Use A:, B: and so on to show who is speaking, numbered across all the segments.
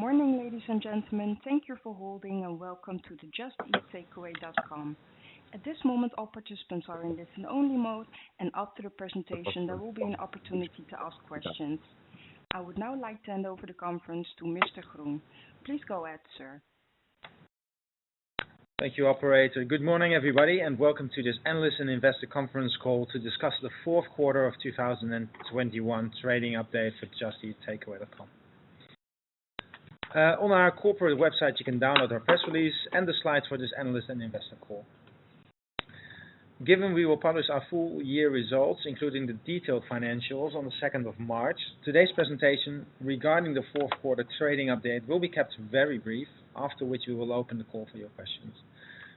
A: Good morning, ladies and gentlemen. Thank you for holding, and welcome to the Just Eat Takeaway.com. At this moment, all participants are in listen only mode, and after the presentation, there will be an opportunity to ask questions. I would now like to hand over the conference to Mr. Groen. Please go ahead, sir.
B: Thank you, operator. Good morning, everybody, and welcome to this analyst and investor conference call to discuss the fourth quarter of 2021 trading update for Just Eat Takeaway.com. On our corporate website, you can download our press release and the slides for this analyst and investor call. Given we will publish our full year results, including the detailed financials on the second of March, today's presentation regarding the fourth quarter trading update will be kept very brief, after which we will open the call for your questions.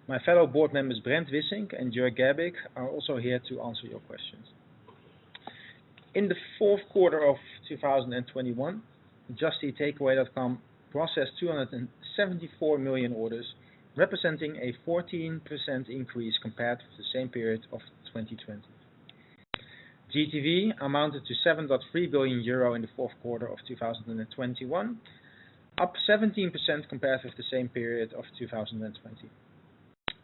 B: My fellow board members, Brent Wissink and Joerg Gerbig, are also here to answer your questions. In the fourth quarter of 2021, Just Eat Takeaway.com processed 274 million orders, representing a 14% increase compared with the same period of 2020. GTV amounted to 7.3 billion euro in the fourth quarter of 2021, up 17% compared with the same period of 2020.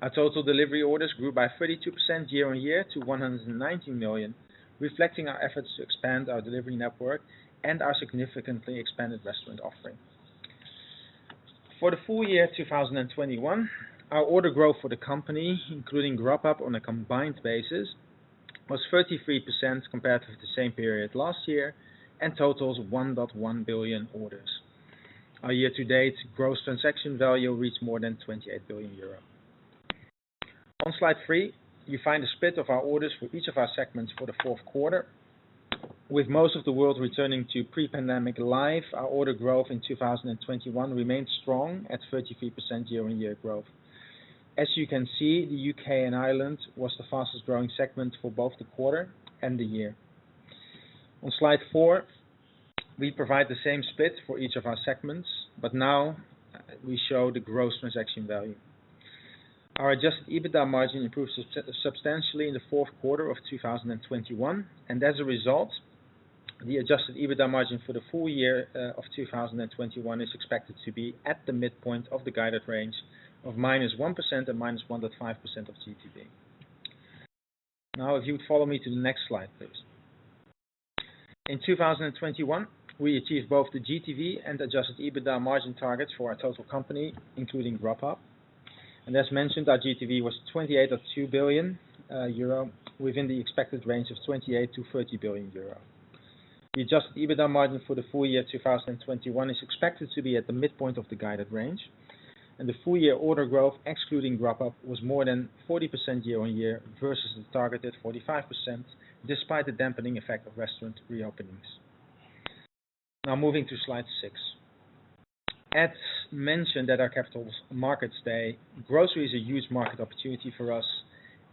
B: Our total delivery orders grew by 32% year-on-year to 190 million, reflecting our efforts to expand our delivery network and our significantly expanded restaurant offering. For the full year 2021, our order growth for the company, including Grubhub on a combined basis, was 33% compared with the same period last year and totals 1.1 billion orders. Our year-to-date gross transaction value reached more than 28 billion euro. On slide three, you find a split of our orders for each of our segments for the fourth quarter. With most of the world returning to pre-pandemic life, our order growth in 2021 remained strong at 33% year-on-year growth. As you can see, the UK and Ireland was the fastest growing segment for both the quarter and the year. On slide four, we provide the same split for each of our segments, but now we show the gross transaction value. Our adjusted EBITDA margin improves substantially in the fourth quarter of 2021, and as a result, the adjusted EBITDA margin for the full year of 2021 is expected to be at the midpoint of the guided range of -1% and -1.5% of GTV. Now, if you follow me to the next slide, please. In 2021, we achieved both the GTV and adjusted EBITDA margin targets for our total company, including Grubhub. As mentioned, our GTV was 28.2 billion euro within the expected range of 28 billion 30 billion euro. The adjusted EBITDA margin for the full year 2021 is expected to be at the midpoint of the guided range, and the full year order growth, excluding Grubhub, was more than 40% year-on-year versus the targeted 45%, despite the dampening effect of restaurant reopenings. Now moving to slide six. As mentioned at our Capital Markets Day, grocery is a huge market opportunity for us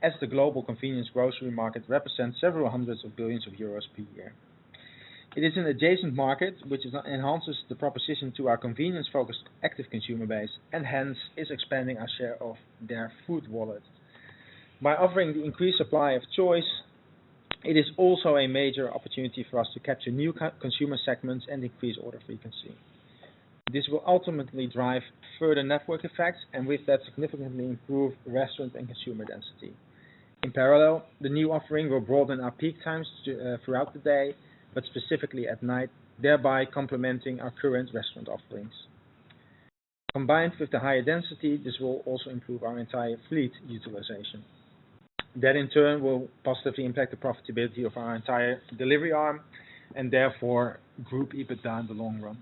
B: as the global convenience grocery market represents several hundred billion EUR per year. It is an adjacent market which enhances the proposition to our convenience-focused active consumer base and hence is expanding our share of their food wallet. By offering the increased supply of choice, it is also a major opportunity for us to capture new co-consumer segments and increase order frequency. This will ultimately drive further network effects and with that, significantly improve restaurant and consumer density. In parallel, the new offering will broaden our peak times to throughout the day, but specifically at night, thereby complementing our current restaurant offerings. Combined with the higher density, this will also improve our entire fleet utilization. That, in turn, will positively impact the profitability of our entire delivery arm and therefore group EBITDA in the long run.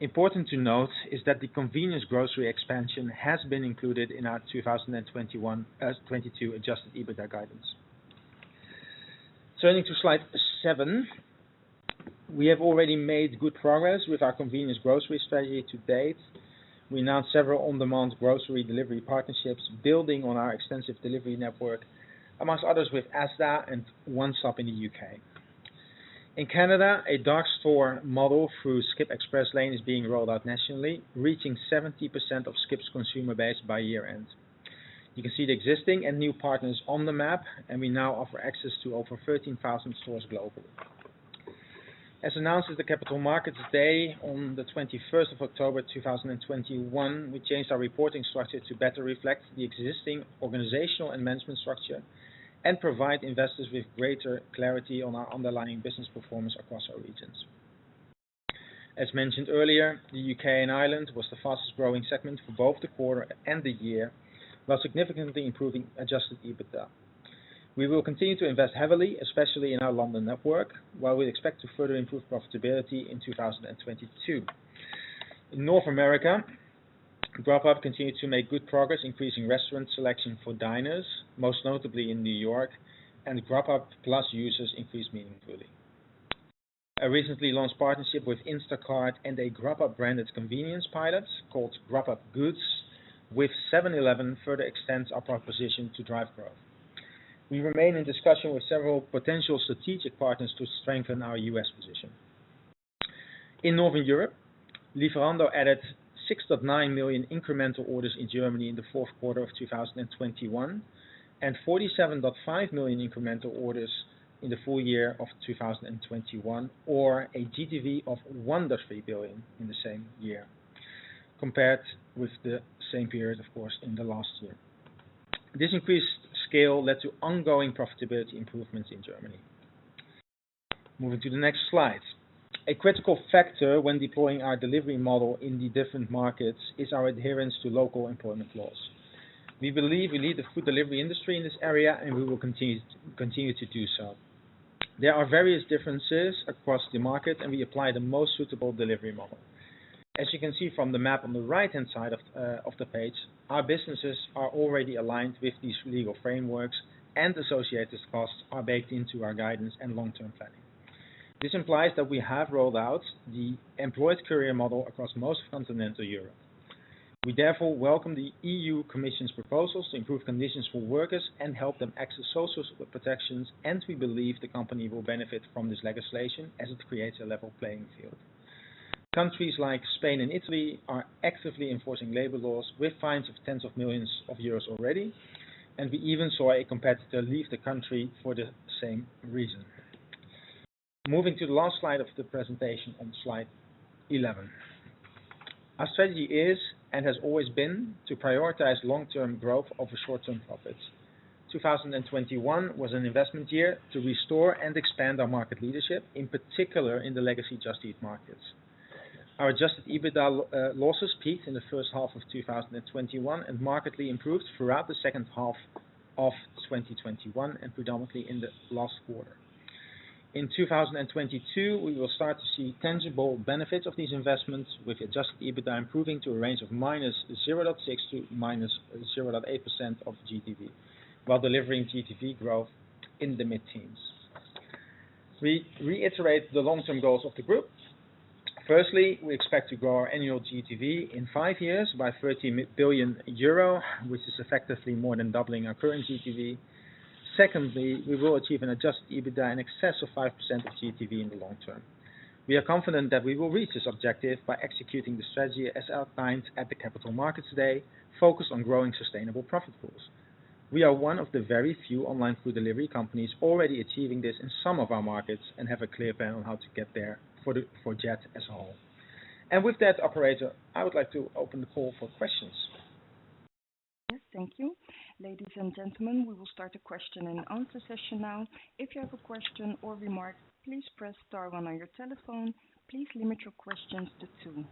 B: Important to note is that the convenience grocery expansion has been included in our 2021, 2022 adjusted EBITDA guidance. Turning to slide seven. We have already made good progress with our convenience grocery strategy to date. We announced several on-demand grocery delivery partnerships, building on our extensive delivery network, among others, with Asda and One Stop in the U.K. In Canada, a dark store model through Skip Express Lane is being rolled out nationally, reaching 70% of Skip's consumer base by year-end. You can see the existing and new partners on the map, and we now offer access to over 13,000 stores globally. As announced at the Capital Markets Day on the twenty-first of October 2021, we changed our reporting structure to better reflect the existing organizational and management structure and provide investors with greater clarity on our underlying business performance across our regions. As mentioned earlier, the U.K. and Ireland was the fastest growing segment for both the quarter and the year, while significantly improving adjusted EBITDA. We will continue to invest heavily, especially in our London network, while we expect to further improve profitability in 2022. In North America, Grubhub continued to make good progress increasing restaurant selection for diners, most notably in New York, and Grubhub+ users increased meaningfully. A recently launched partnership with Instacart and a Grubhub-branded convenience pilot called Grubhub Goods with 7-Eleven further extends our proposition to drive growth. We remain in discussion with several potential strategic partners to strengthen our U.S. position. In Northern Europe, Lieferando added 6.9 million incremental orders in Germany in the fourth quarter of 2021. 47.5 incremental orders in the full year of 2021, or a GTV of 1.3 billion in the same year, compared with the same period, of course, in the last year. This increased scale led to ongoing profitability improvements in Germany. Moving to the next slide. A critical factor when deploying our delivery model in the different markets is our adherence to local employment laws. We believe we lead the food delivery industry in this area, and we will continue to do so. There are various differences across the market, and we apply the most suitable delivery model. As you can see from the map on the right-hand side of the page, our businesses are already aligned with these legal frameworks, and associated costs are baked into our guidance and long-term planning. This implies that we have rolled out the employed courier model across most continental Europe. We therefore welcome the European Commission's proposals to improve conditions for workers and help them access social protections, and we believe the company will benefit from this legislation as it creates a level playing field. Countries like Spain and Italy are actively enforcing labor laws with fines of tens of millions EUR already, and we even saw a competitor leave the country for the same reason. Moving to the last slide of the presentation on slide 11. Our strategy is, and has always been, to prioritize long-term growth over short-term profits. 2021 was an investment year to restore and expand our market leadership, in particular in the legacy Just Eat markets. Our adjusted EBITDA losses peaked in the first half of 2021 and markedly improved throughout the second half of 2021, and predominantly in the last quarter. In 2022, we will start to see tangible benefits of these investments with adjusted EBITDA improving to a range of -0.6%-0.8% of GTV, while delivering GTV growth in the mid-teens. We reiterate the long-term goals of the group. Firstly, we expect to grow our annual GTV in five years by 13 billion euro, which is effectively more than doubling our current GTV. Secondly, we will achieve an adjusted EBITDA in excess of 5% of GTV in the long term. We are confident that we will reach this objective by executing the strategy as outlined at the Capital Markets Day focused on growing sustainable profit pools. We are one of the very few online food delivery companies already achieving this in some of our markets and have a clear plan on how to get there for JET as a whole. With that, operator, I would like to open the call for questions.
A: Yes, thank you. Ladies and gentlemen, we will start the question and answer session now. If you have a question or remark, please press star one on your telephone. Please limit your questions to two.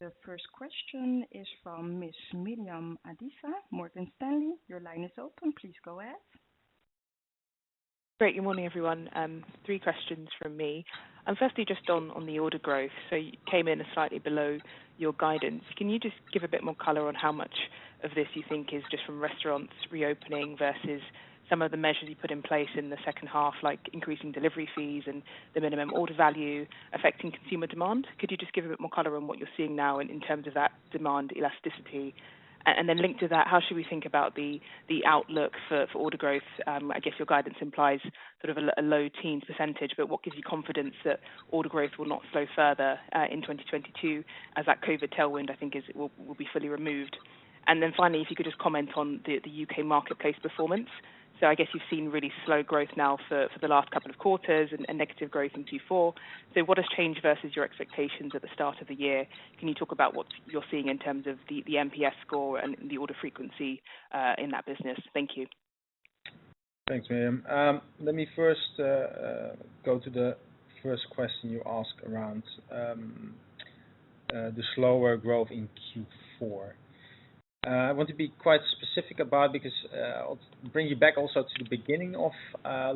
A: The first question is from Miss Miriam Adisa, Morgan Stanley. Your line is open. Please go ahead.
C: Great. Good morning, everyone. Three questions from me. Firstly, just on the order growth. You came in slightly below your guidance. Can you just give a bit more color on how much of this you think is just from restaurants reopening versus some of the measures you put in place in the second half, like increasing delivery fees and the minimum order value affecting consumer demand? Could you just give a bit more color on what you're seeing now in terms of that demand elasticity? Then linked to that, how should we think about the outlook for order growth? I guess your guidance implies sort of a low-teens percentage, but what gives you confidence that order growth will not slow further in 2022 as that COVID tailwind, I think is, will be fully removed? Then finally, if you could just comment on the U.K. marketplace performance. I guess you've seen really slow growth now for the last couple of quarters and negative growth in Q4. What has changed versus your expectations at the start of the year? Can you talk about what you're seeing in terms of the NPS score and the order frequency in that business? Thank you.
B: Thanks, Miriam. Let me first go to the first question you asked around the slower growth in Q4. I want to be quite specific about, because I'll bring you back also to the beginning of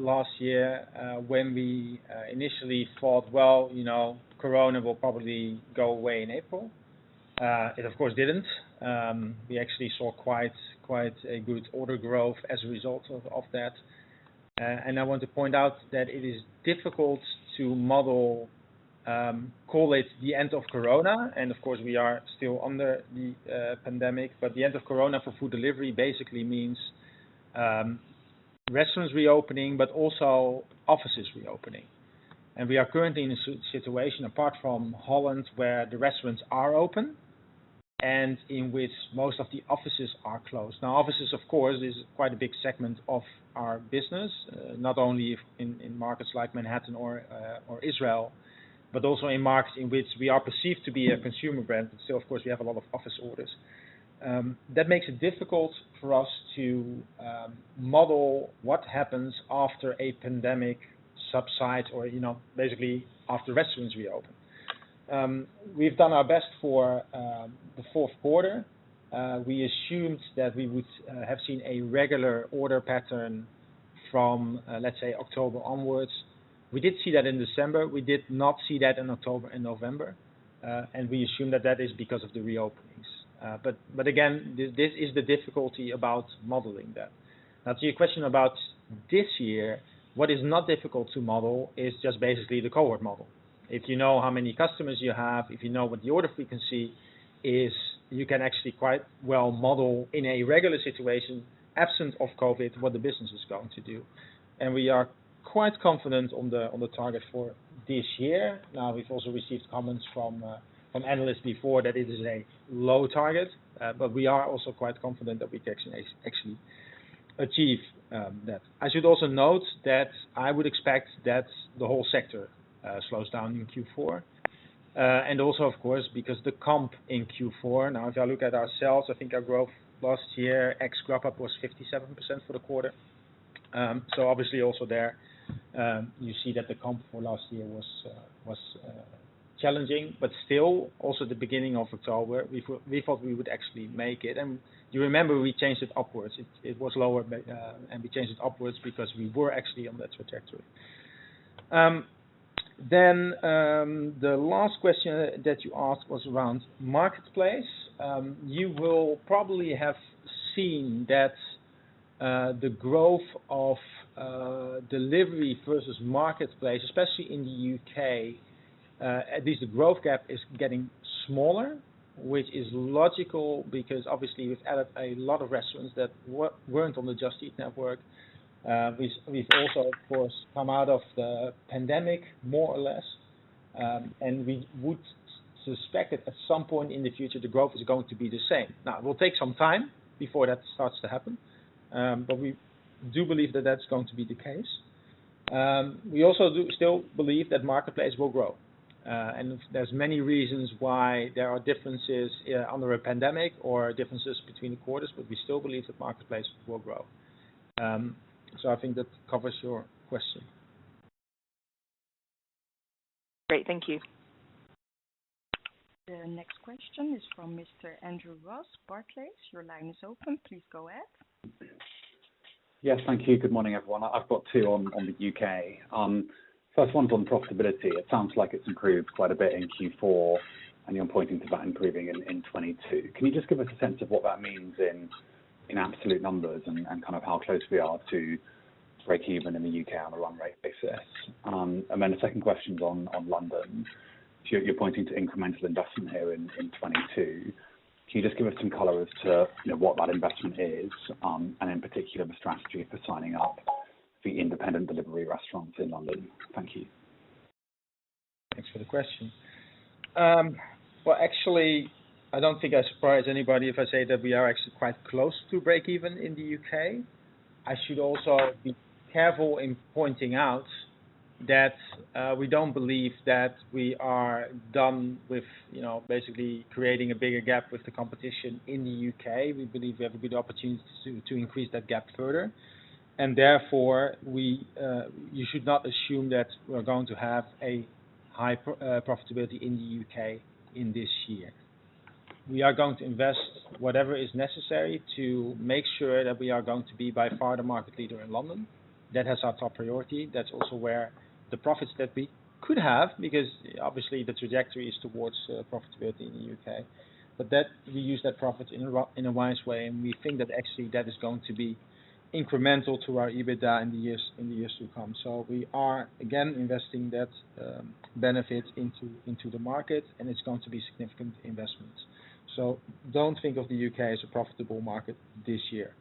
B: last year, when we initially thought, well, you know, corona will probably go away in April. It of course didn't. We actually saw quite a good order growth as a result of that. I want to point out that it is difficult to model, call it the end of corona. Of course, we are still under the pandemic, but the end of corona for food delivery basically means restaurants reopening, but also offices reopening. We are currently in a situation, apart from Holland, where the restaurants are open and in which most of the offices are closed. Now, offices of course is quite a big segment of our business, not only in markets like Manhattan or Israel, but also in markets in which we are perceived to be a consumer brand. Of course, we have a lot of office orders. That makes it difficult for us to model what happens after a pandemic subsides or, you know, basically after restaurants reopen. We've done our best for the fourth quarter. We assumed that we would have seen a regular order pattern from, let's say, October onwards. We did see that in December. We did not see that in October and November. We assume that that is because of the reopenings. Again, this is the difficulty about modeling that. Now, to your question about this year, what is not difficult to model is just basically the cohort model. If you know how many customers you have, if you know what the order frequency is, you can actually quite well model in a regular situation absent of COVID, what the business is going to do. We are quite confident on the target for this year. Now, we've also received comments from analysts before that it is a low target, but we are also quite confident that we can actually achieve that. I should also note that I would expect that the whole sector slows down in Q4. Also, of course, because the comp in Q4, now, if you look at ourselves, I think our growth last year, ex-Dropoff was 57% for the quarter. Obviously also there, you see that the comp for last year was challenging, but still also the beginning of October, we thought we would actually make it. You remember we changed it upwards. It was lower but and we changed it upwards because we were actually on that trajectory. The last question that you asked was around marketplace. You will probably have seen that, the growth of delivery versus marketplace, especially in the U.K., at least the growth gap is getting smaller, which is logical because obviously we've added a lot of restaurants that weren't on the Just Eat network. We've also, of course, come out of the pandemic more or less. We would suspect that at some point in the future, the growth is going to be the same. Now, it will take some time before that starts to happen, but we do believe that that's going to be the case. We also do still believe that marketplace will grow. There's many reasons why there are differences, under a pandemic or differences between quarters, but we still believe that marketplace will grow. I think that covers your question.
C: Great. Thank you.
A: The next question is from Mr. Andrew Ross, Barclays. Your line is open. Please go ahead.
D: Yes. Thank you. Good morning, everyone. I've got two on the UK. First one's on profitability. It sounds like it's improved quite a bit in Q4, and you're pointing to that improving in 2022. Can you just give us a sense of what that means in absolute numbers and kind of how close we are to breakeven in the UK on a run rate basis? The second question's on London. You're pointing to incremental investment here in 2022. Can you just give us some color as to what that investment is and in particular, the strategy for signing up the independent delivery restaurants in London? Thank you.
B: Thanks for the question. Well, actually, I don't think I surprise anybody if I say that we are actually quite close to breakeven in the UK. I should also be careful in pointing out that we don't believe that we are done with, you know, basically creating a bigger gap with the competition in the UK. We believe we have a good opportunity to increase that gap further. Therefore, you should not assume that we're going to have a high profitability in the UK in this year. We are going to invest whatever is necessary to make sure that we are going to be by far the market leader in London. That has our top priority. That's also where the profits that we could have, because obviously the trajectory is towards profitability in the UK. That we use that profit in a wise way, and we think that actually that is going to be incremental to our EBITDA in the years to come. We are, again, investing that benefit into the market, and it's going to be significant investments. Don't think of the U.K. as a profitable market this year.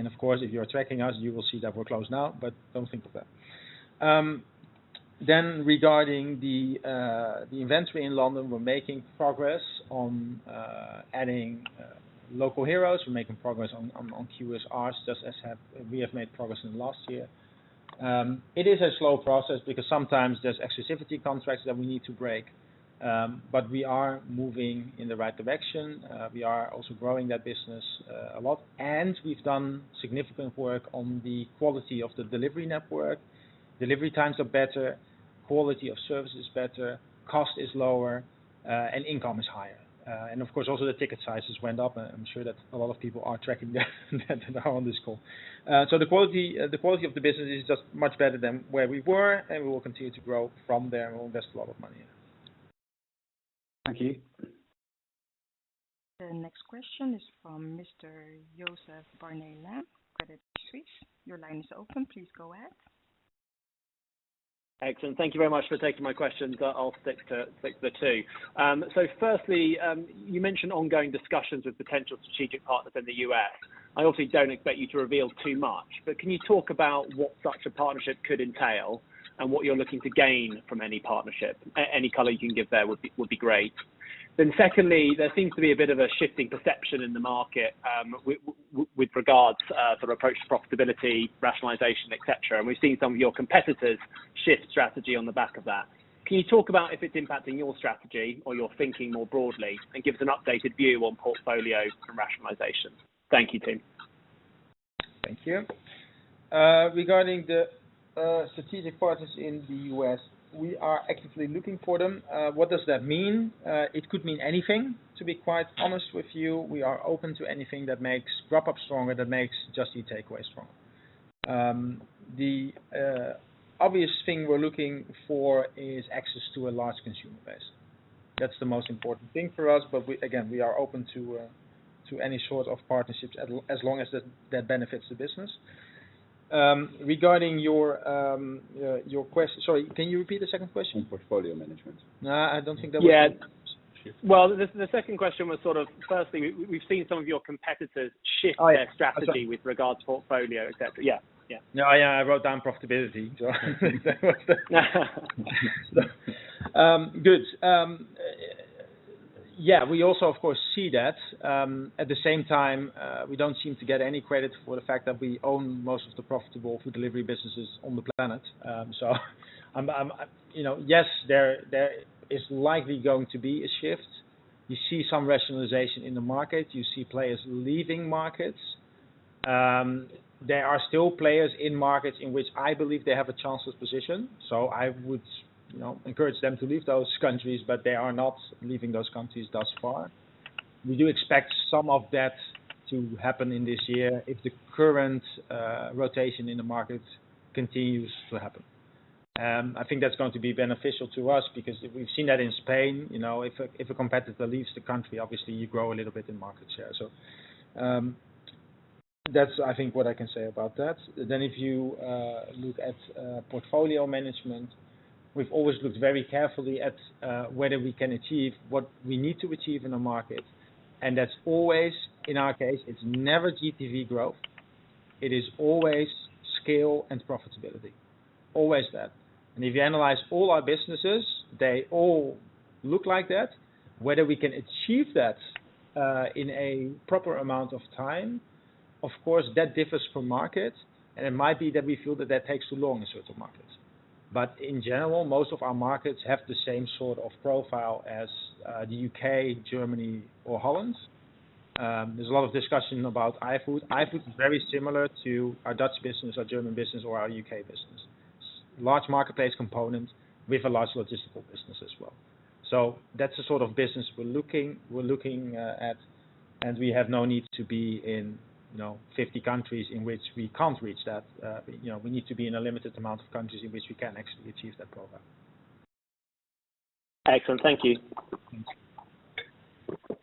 B: Of course, if you're tracking us, you will see that we're close now, but don't think of that. Regarding the inventory in London, we're making progress on adding local heroes. We're making progress on QSRs, just as we have made progress in the last year. It is a slow process because sometimes there's exclusivity contracts that we need to break, but we are moving in the right direction. We are also growing that business a lot, and we've done significant work on the quality of the delivery network. Delivery times are better, quality of service is better, cost is lower, and income is higher. Of course, also the ticket sizes went up. I'm sure that a lot of people are tracking that now on this call. The quality of the business is just much better than where we were, and we will continue to grow from there, and we'll invest a lot of money.
D: Thank you.
A: The next question is from Mr. Joseph Barnet-Lamb, Credit Suisse. Your line is open. Please go ahead.
E: Excellent. Thank you very much for taking my questions. I'll stick to two. Firstly, you mentioned ongoing discussions with potential strategic partners in the US. I obviously don't expect you to reveal too much, but can you talk about what such a partnership could entail and what you're looking to gain from any partnership? Any color you can give there would be great. Secondly, there seems to be a bit of a shifting perception in the market with regards to sort of approach to profitability, rationalization, et cetera. We've seen some of your competitors shift strategy on the back of that. Can you talk about if it's impacting your strategy or your thinking more broadly, and give us an updated view on portfolio and rationalization? Thank you, Tim.
B: Thank you. Regarding the strategic partners in the U.S., we are actively looking for them. What does that mean? It could mean anything, to be quite honest with you. We are open to anything that makes Dropoff stronger, that makes Just Eat Takeaway stronger. The obvious thing we're looking for is access to a large consumer base. That's the most important thing for us. We, again, we are open to any sort of partnerships as long as that benefits the business. Sorry, can you repeat the second question?
E: On portfolio management.
B: No, I don't think that was the question.
E: Yeah. Well, the second question was sort of firstly, we've seen some of your competitors shift their strategy with regards to portfolio, et cetera. Yeah.
B: Yeah. No, I wrote down profitability. Good. Yeah, we also, of course, see that, at the same time, we don't seem to get any credit for the fact that we own most of the profitable food delivery businesses on the planet. I'm you know, yes, there is likely going to be a shift. You see some rationalization in the market. You see players leaving markets. There are still players in markets in which I believe they have a chance of position. I would you know, encourage them to leave those countries, but they are not leaving those countries thus far. We do expect some of that to happen in this year if the current rotation in the market continues to happen. I think that's going to be beneficial to us because we've seen that in Spain, you know, if a competitor leaves the country, obviously you grow a little bit in market share. That's, I think, what I can say about that. If you look at portfolio management, we've always looked very carefully at whether we can achieve what we need to achieve in the market. That's always, in our case, it's never GTV growth. It is always scale and profitability. Always that. If you analyze all our businesses, they all look like that. Whether we can achieve that in a proper amount of time, of course, that differs from market to market, and it might be that we feel that that takes too long in sorts of markets. In general, most of our markets have the same sort of profile as the UK, Germany or Holland. There's a lot of discussion about iFood. iFood is very similar to our Dutch business, our German business or our UK business. Large marketplace component with a large logistical business as well. That's the sort of business we're looking at, and we have no need to be in, you know, 50 countries in which we can't reach that, you know. We need to be in a limited amount of countries in which we can actually achieve that program.
E: Excellent. Thank you.
B: Thanks.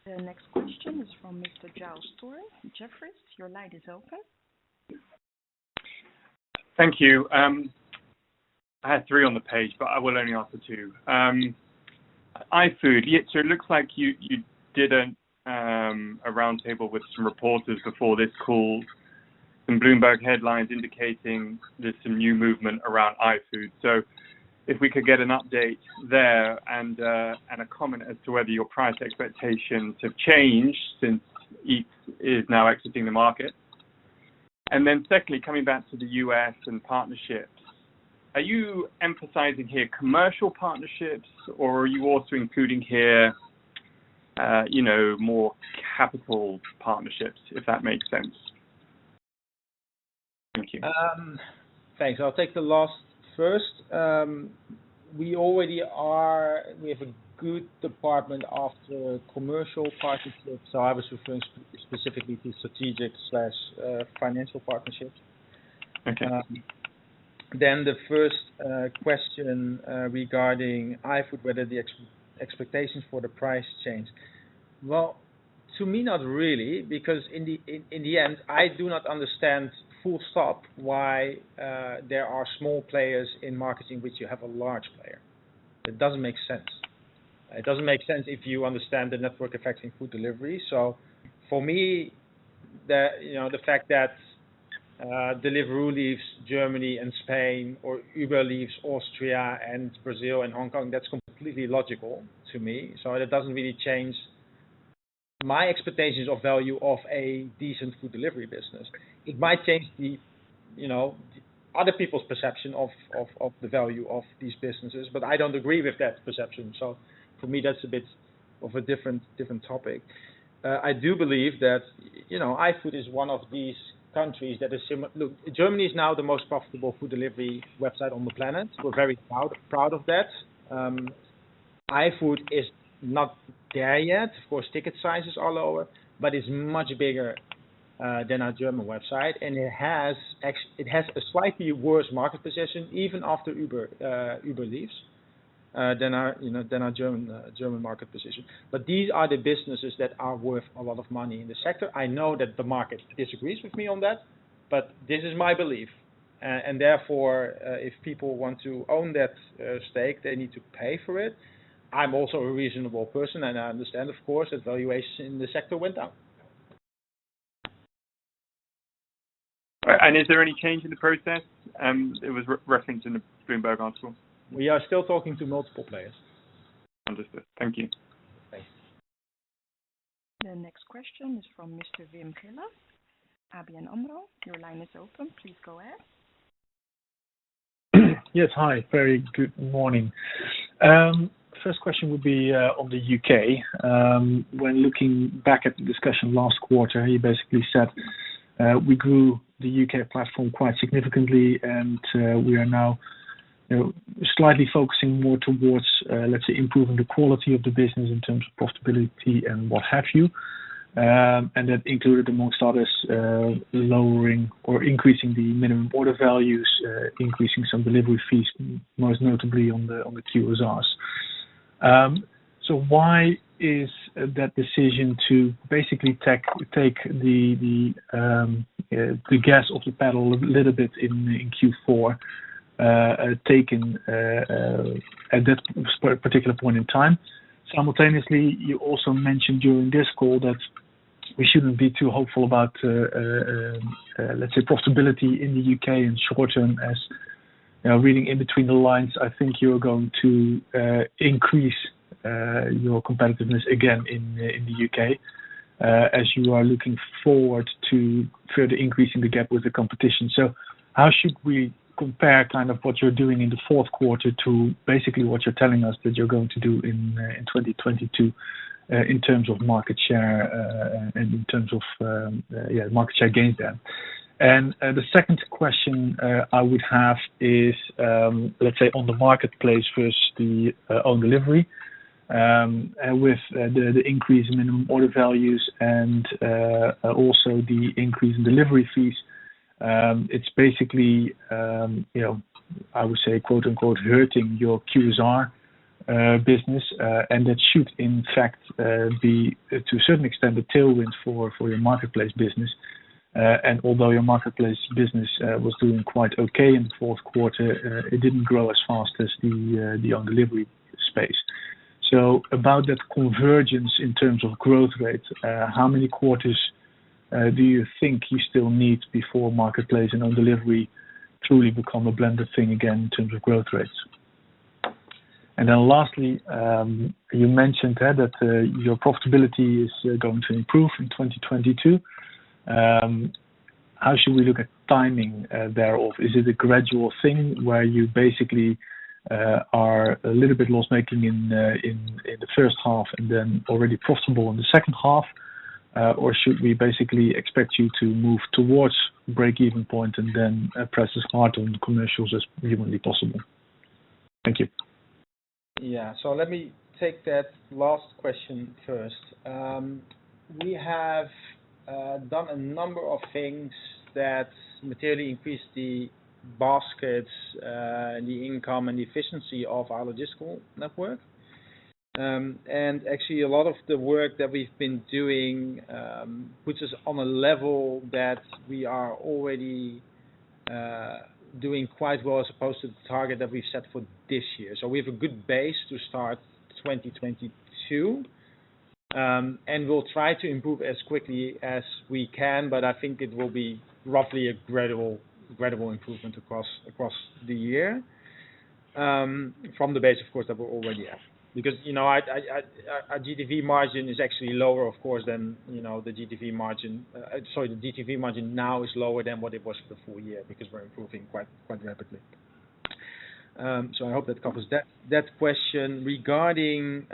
A: The next question is from Mr. Giles Thorne from Jefferies. Your line is open.
F: Thank you. I had three on the page, but I will only ask for two. iFood, it looks like you did a roundtable with some reporters before this call. Some Bloomberg headlines indicating there's some new movement around iFood. If we could get an update there and a comment as to whether your price expectations have changed since it is now exiting the market. Then secondly, coming back to the U.S. and partnerships. Are you emphasizing here commercial partnerships, or are you also including here you know, more capital partnerships, if that makes sense? Thank you.
B: Thanks. I'll take the last first. We have a good department of commercial partnerships, so I was referring specifically to strategic slash financial partnerships.
F: Okay.
B: The first question regarding iFood, whether the expectations for the price change. Well, to me, not really, because in the end, I do not understand full stop why there are small players in markets in which you have a large player. It doesn't make sense if you understand the network effects in food delivery. So for me, you know, the fact that Deliveroo leaves Germany and Spain or Uber leaves Austria and Brazil and Hong Kong, that's completely logical to me. So it doesn't really change my expectations of value of a decent food delivery business. It might change the, you know, other people's perception of the value of these businesses, but I don't agree with that perception. So for me, that's a bit of a different topic. I do believe that, you know, iFood is one of these companies. Look, Germany is now the most profitable food delivery market on the planet. We're very proud of that. iFood is not there yet. Of course, ticket sizes are lower, but it's much bigger than our German market. It has a slightly worse market position, even after Uber leaves, than our, you know, German market position. These are the businesses that are worth a lot of money in the sector. I know that the market disagrees with me on that, but this is my belief. Therefore, if people want to own that stake, they need to pay for it. I'm also a reasonable person, and I understand, of course, that valuation in the sector went down.
F: Is there any change in the process? It was referenced in the Bloomberg article.
B: We are still talking to multiple players.
F: Understood. Thank you.
B: Thanks.
A: The next question is from Mr. Wim Gille, ABN AMRO. Your line is open. Please go ahead.
G: Yes. Hi, very good morning. First question would be on the U.K. When looking back at the discussion last quarter, you basically said we grew the U.K. platform quite significantly, and we are now, you know, slightly focusing more towards, let's say, improving the quality of the business in terms of profitability and what have you. That included, amongst others, increasing the minimum order values, increasing some delivery fees, most notably on the QSRs. Why is that decision to basically take the foot off the gas pedal a little bit in Q4 taken at that particular point in time? Simultaneously, you also mentioned during this call that we shouldn't be too hopeful about, let's say profitability in the UK in short term as, you know, reading in between the lines, I think you're going to increase your competitiveness again in the UK as you are looking forward to further increasing the gap with the competition. So how should we compare kind of what you're doing in the fourth quarter to basically what you're telling us that you're going to do in 2022 in terms of market share and in terms of yeah, market share gain then? The second question I would have is, let's say on the marketplace first, the on delivery, with the increase in minimum order values and also the increase in delivery fees, it's basically, you know, I would say, quote-unquote, hurting your QSR business. That should in fact be to a certain extent the tailwind for your marketplace business. Although your marketplace business was doing quite okay in the fourth quarter, it didn't grow as fast as the on delivery space. About that convergence in terms of growth rates, how many quarters do you think you still need before marketplace and on delivery truly become a blended thing again in terms of growth rates? Lastly, you mentioned that your profitability is going to improve in 2022. How should we look at timing thereof? Is it a gradual thing where you basically are a little bit loss making in the first half and then already profitable in the second half? Or should we basically expect you to move towards breakeven point and then press as hard on the commercials as humanly possible? Thank you.
B: Yeah. Let me take that last question first. We have done a number of things that materially increase the baskets, the income and the efficiency of our logistical network. Actually a lot of the work that we've been doing puts us on a level that we are already doing quite well as opposed to the target that we've set for this year. We have a good base to start 2022. We'll try to improve as quickly as we can, but I think it will be roughly a gradual improvement across the year, from the base of course that we're already at. You know, our GTV margin is actually lower of course than you know, the GTV margin. The GTV margin now is lower than what it was for the full year because we're improving quite rapidly. I hope that covers that question. Regarding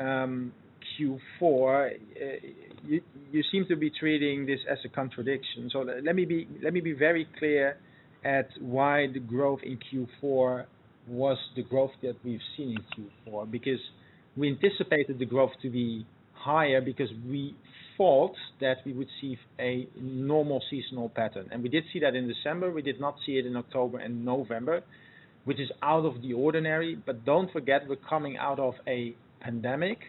B: Q4, you seem to be treating this as a contradiction. Let me be very clear as to why the growth in Q4 was the growth that we've seen in Q4, because we anticipated the growth to be higher because we thought that we would see a normal seasonal pattern. We did see that in December. We did not see it in October and November, which is out of the ordinary. Don't forget, we're coming out of a pandemic,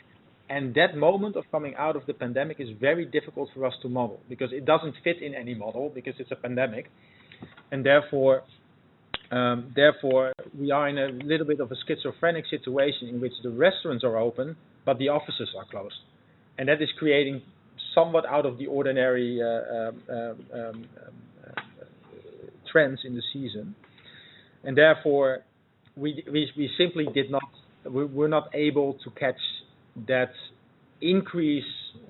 B: and that moment of coming out of the pandemic is very difficult for us to model because it doesn't fit in any model because it's a pandemic. Therefore we are in a little bit of a schizophrenic situation in which the restaurants are open, but the offices are closed. That is creating somewhat out of the ordinary trends in the season. Therefore, we're not able to catch that increase,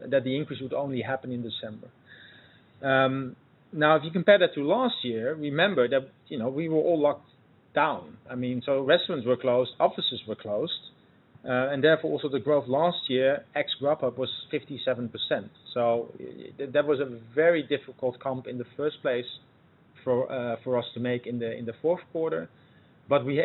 B: that the increase would only happen in December. Now if you compare that to last year, remember that, you know, we were all locked down. I mean, restaurants were closed, offices were closed, and therefore also the growth last year, ex-Grubhub was 57%. That was a very difficult comp in the first place for us to make in the fourth quarter. We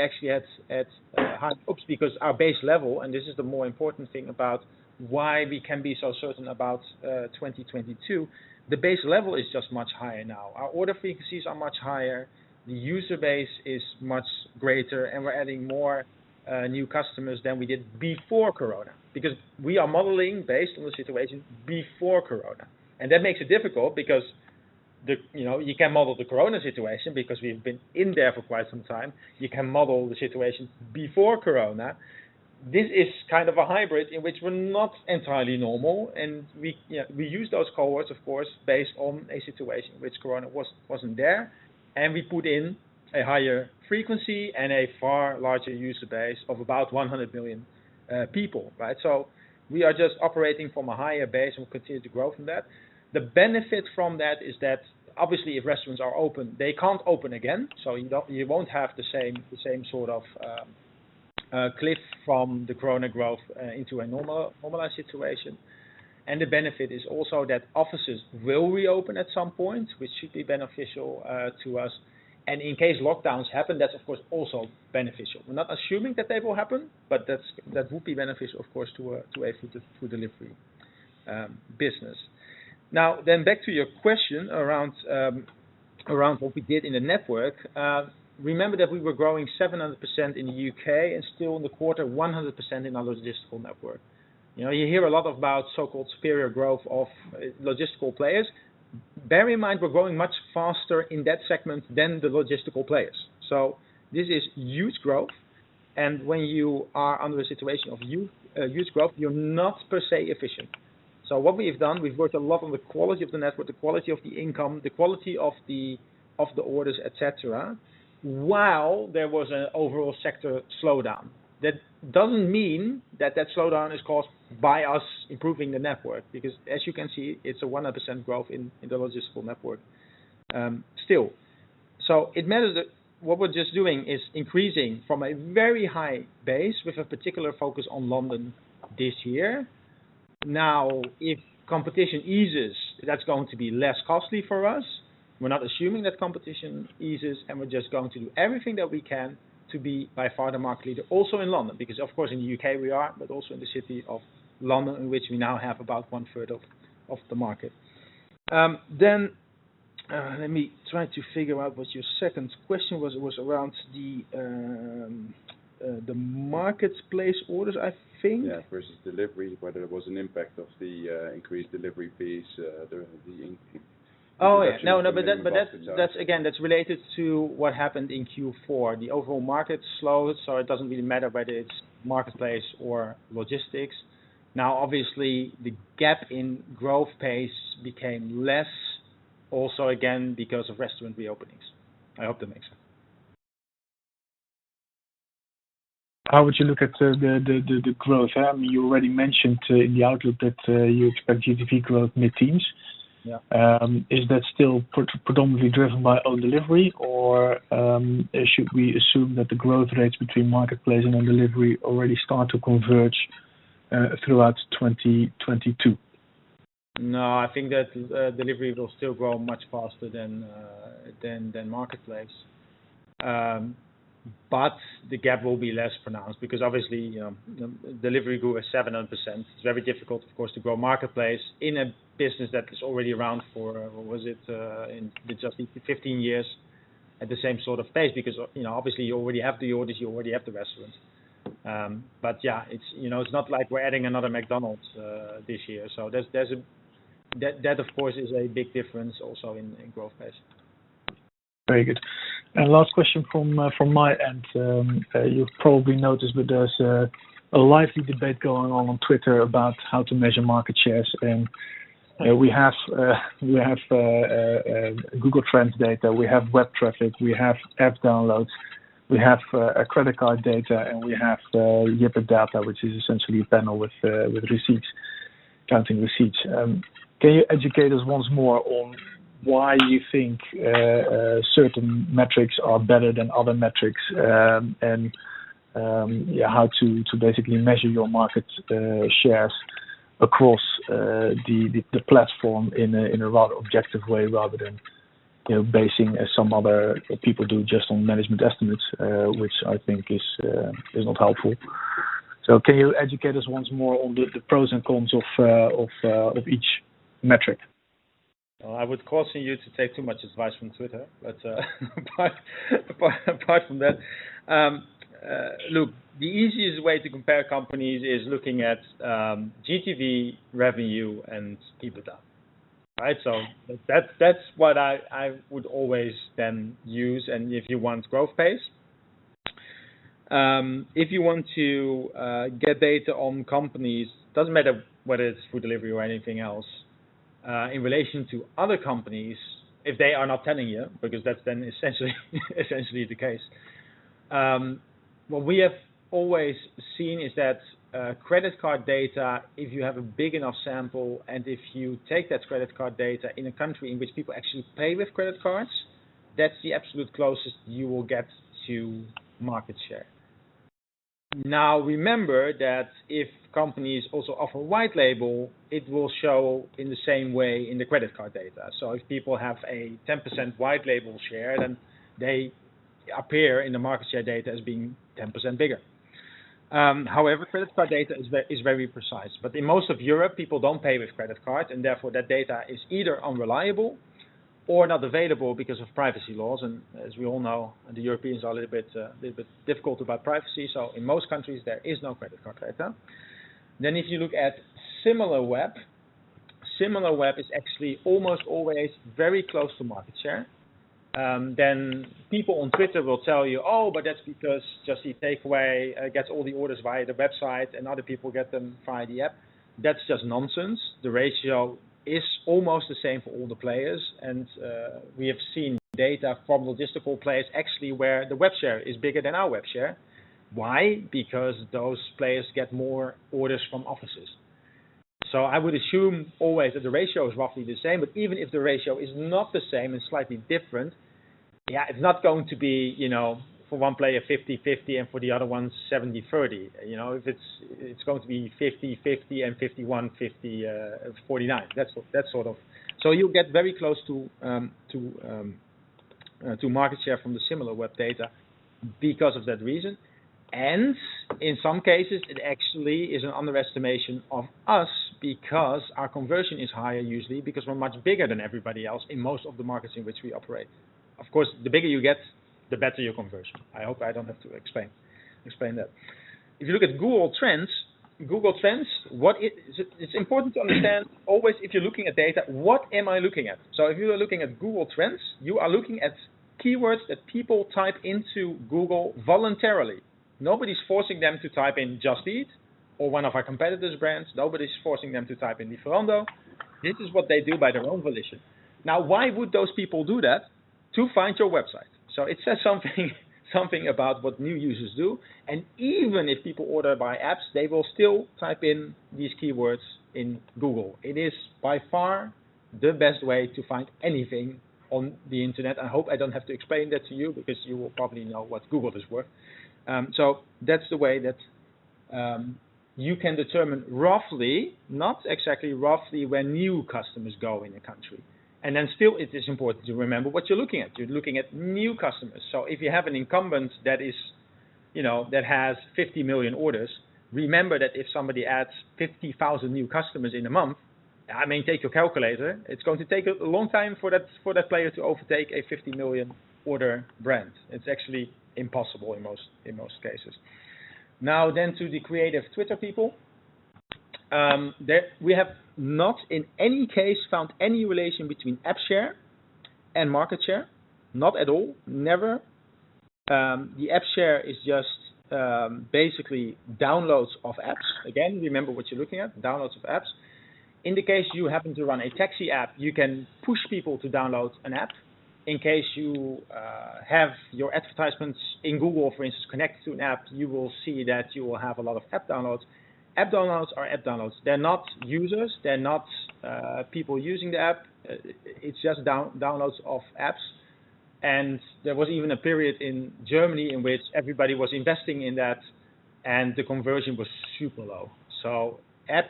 B: actually had high hopes because our base level, and this is the more important thing about why we can be so certain about 2022, the base level is just much higher now. Our order frequencies are much higher. The user base is much greater, and we're adding more new customers than we did before Corona. We are modeling based on the situation before Corona. That makes it difficult because you know, you can model the Corona situation because we've been in there for quite some time. You can model the situation before Corona. This is kind of a hybrid in which we're not entirely normal. We, you know, use those cohorts of course, based on a situation which Corona wasn't there. We put in a higher frequency and a far larger user base of about 100 million people, right? We are just operating from a higher base and we'll continue to grow from that. The benefit from that is that obviously if restaurants are open, they can't open again, so you don't, you won't have the same sort of cliff from the Corona growth into a normalized situation. The benefit is also that offices will reopen at some point, which should be beneficial to us. In case lockdowns happen, that's of course also beneficial. We're not assuming that they will happen, but that would be beneficial of course to a food delivery business. Now then back to your question around what we did in the network. Remember that we were growing 700% in the U.K. and still in the quarter 100% in our logistical network. You know, you hear a lot about so-called superior growth of logistical players. Bear in mind, we're growing much faster in that segment than the logistical players. This is huge growth. When you are under a situation of huge growth, you're not per se efficient. What we have done, we've worked a lot on the quality of the network, the quality of the income, the quality of the orders, et cetera, while there was an overall sector slowdown. That doesn't mean that slowdown is caused by us improving the network, because as you can see, it's a 100% growth in the logistical network still. It matters that what we're just doing is increasing from a very high base with a particular focus on London this year. Now, if competition eases, that's going to be less costly for us. We're not assuming that competition eases, and we're just going to do everything that we can to be by far the market leader also in London, because of course, in the U.K. we are, but also in the city of London, in which we now have about 1/3 of the market. Let me try to figure out what your second question was. It was around the marketplace orders, I think.
G: Yeah, versus delivery, whether there was an impact of the increased delivery fees during the inc-
B: Oh, yeah. No, but that's related to what happened in Q4. The overall market slowed, so it doesn't really matter whether it's marketplace or logistics. Now, obviously, the gap in growth pace became less also again because of restaurant reopenings. I hope that makes sense.
G: How would you look at the growth? I mean, you already mentioned in the outlook that you expect GTV growth mid-teens.
B: Yeah.
G: Is that still predominantly driven by own delivery or should we assume that the growth rates between marketplace and own delivery already start to converge throughout 2022?
B: No, I think that delivery will still grow much faster than marketplace. But the gap will be less pronounced because obviously delivery grew at 700%. It's very difficult, of course, to grow marketplace in a business that is already around for, what was it, in just 15 years at the same sort of pace. Because, you know, obviously, you already have the orders, you already have the restaurants. But yeah, it's, you know, it's not like we're adding another McDonald's this year. So there's that. That, of course, is a big difference also in growth pace.
G: Very good. Last question from my end. You've probably noticed that there's a lively debate going on on Twitter about how to measure market shares. We have Google Trends data, we have web traffic, we have app downloads, we have credit card data, and we have YipitData data, which is essentially a panel with receipts, counting receipts. Can you educate us once more on why you think certain metrics are better than other metrics? How to basically measure your market shares across the platform in a rather objective way rather than, you know, basing as some other people do just on management estimates, which I think is not helpful. Can you educate us once more on the pros and cons of each metric?
B: I would caution you to take too much advice from Twitter. Apart from that, look, the easiest way to compare companies is looking at GTV revenue and EBITDA. Right? That's what I would always then use and if you want growth pace. If you want to get data on companies, doesn't matter whether it's food delivery or anything else, in relation to other companies, if they are not telling you, because that's then essentially the case. What we have always seen is that credit card data, if you have a big enough sample, and if you take that credit card data in a country in which people actually pay with credit cards, that's the absolute closest you will get to market share. Now, remember that if companies also offer white label, it will show in the same way in the credit card data. If people have a 10% white label share, then they appear in the market share data as being 10% bigger. However, credit card data is very precise. In most of Europe, people don't pay with credit card, and therefore, that data is either unreliable or not available because of privacy laws. As we all know, the Europeans are a little bit difficult about privacy. In most countries, there is no credit card data. If you look at Similarweb is actually almost always very close to market share. People on Twitter will tell you, "Oh, but that's because Just Eat Takeaway gets all the orders via the website and other people get them via the app." That's just nonsense. The ratio is almost the same for all the players. We have seen data from logistical players actually where the web share is bigger than our web share. Why? Because those players get more orders from offices. I would assume always that the ratio is roughly the same. Even if the ratio is not the same and slightly different, yeah, it's not going to be, you know, for one player 50/50 and for the other one 70/30. You know? If it's going to be 50/50 and 51, 50, 49. That's sort of. You get very close to market share from the Similarweb data because of that reason. In some cases, it actually is an underestimation of us because our conversion is higher usually because we're much bigger than everybody else in most of the markets in which we operate. Of course, the bigger you get, the better your conversion. I hope I don't have to explain that. If you look at Google Trends, it's important to understand always if you're looking at data, what am I looking at? If you are looking at Google Trends, you are looking at keywords that people type into Google voluntarily. Nobody's forcing them to type in Just Eat or one of our competitors' brands. Nobody's forcing them to type in Lieferando. This is what they do by their own volition. Now, why would those people do that? To find your website. It says something about what new users do. Even if people order by apps, they will still type in these keywords in Google. It is by far the best way to find anything on the internet. I hope I don't have to explain that to you because you will probably know what Google is worth. That's the way that you can determine roughly, not exactly roughly, where new customers go in a country. Then still, it is important to remember what you're looking at. You're looking at new customers. If you have an incumbent that has 50 million orders, remember that if somebody adds 50,000 new customers in a month, take your calculator, it's going to take a long time for that player to overtake a 50 million order brand. It's actually impossible in most cases. To the creative Twitter people, that we have not in any case found any relation between app share and market share. Not at all, never. The app share is just basically downloads of apps. Again, remember what you're looking at, downloads of apps. In the case you happen to run a taxi app, you can push people to download an app. In case you have your advertisements in Google, for instance, connect to an app, you will see that you will have a lot of app downloads. App downloads are app downloads. They're not users. They're not people using the app. It's just downloads of apps. There was even a period in Germany in which everybody was investing in that, and the conversion was super low. App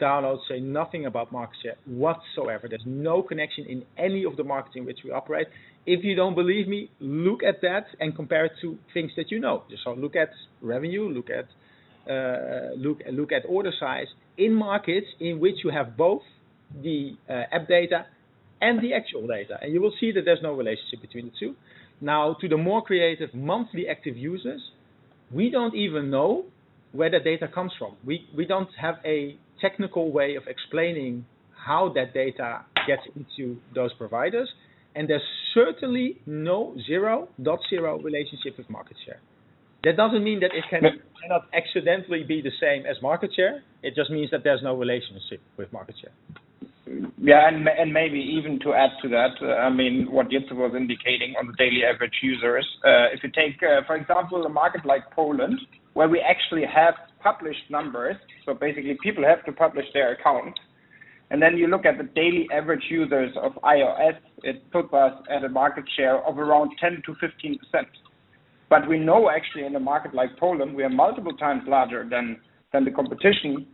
B: downloads say nothing about market share whatsoever. There's no connection in any of the market in which we operate. If you don't believe me, look at that and compare it to things that you know. Look at revenue, look at look at order size in markets in which you have both the app data and the actual data, and you will see that there's no relationship between the two. Now, to the more creative monthly active users, we don't even know where the data comes from. We don't have a technical way of explaining how that data gets into those providers, and there's certainly no 0.0 relationship with market share. That doesn't mean that it cannot accidentally be the same as market share. It just means that there's no relationship with market share.
H: Yeah. Maybe even to add to that, I mean, what Jitse was indicating on the daily average users, if you take, for example, a market like Poland, where we actually have published numbers, so basically people have to publish their account. Then you look at the daily average users of iOS, it took us at a market share of around 10%-15%. But we know actually in a market like Poland, we are multiple times larger than the competition.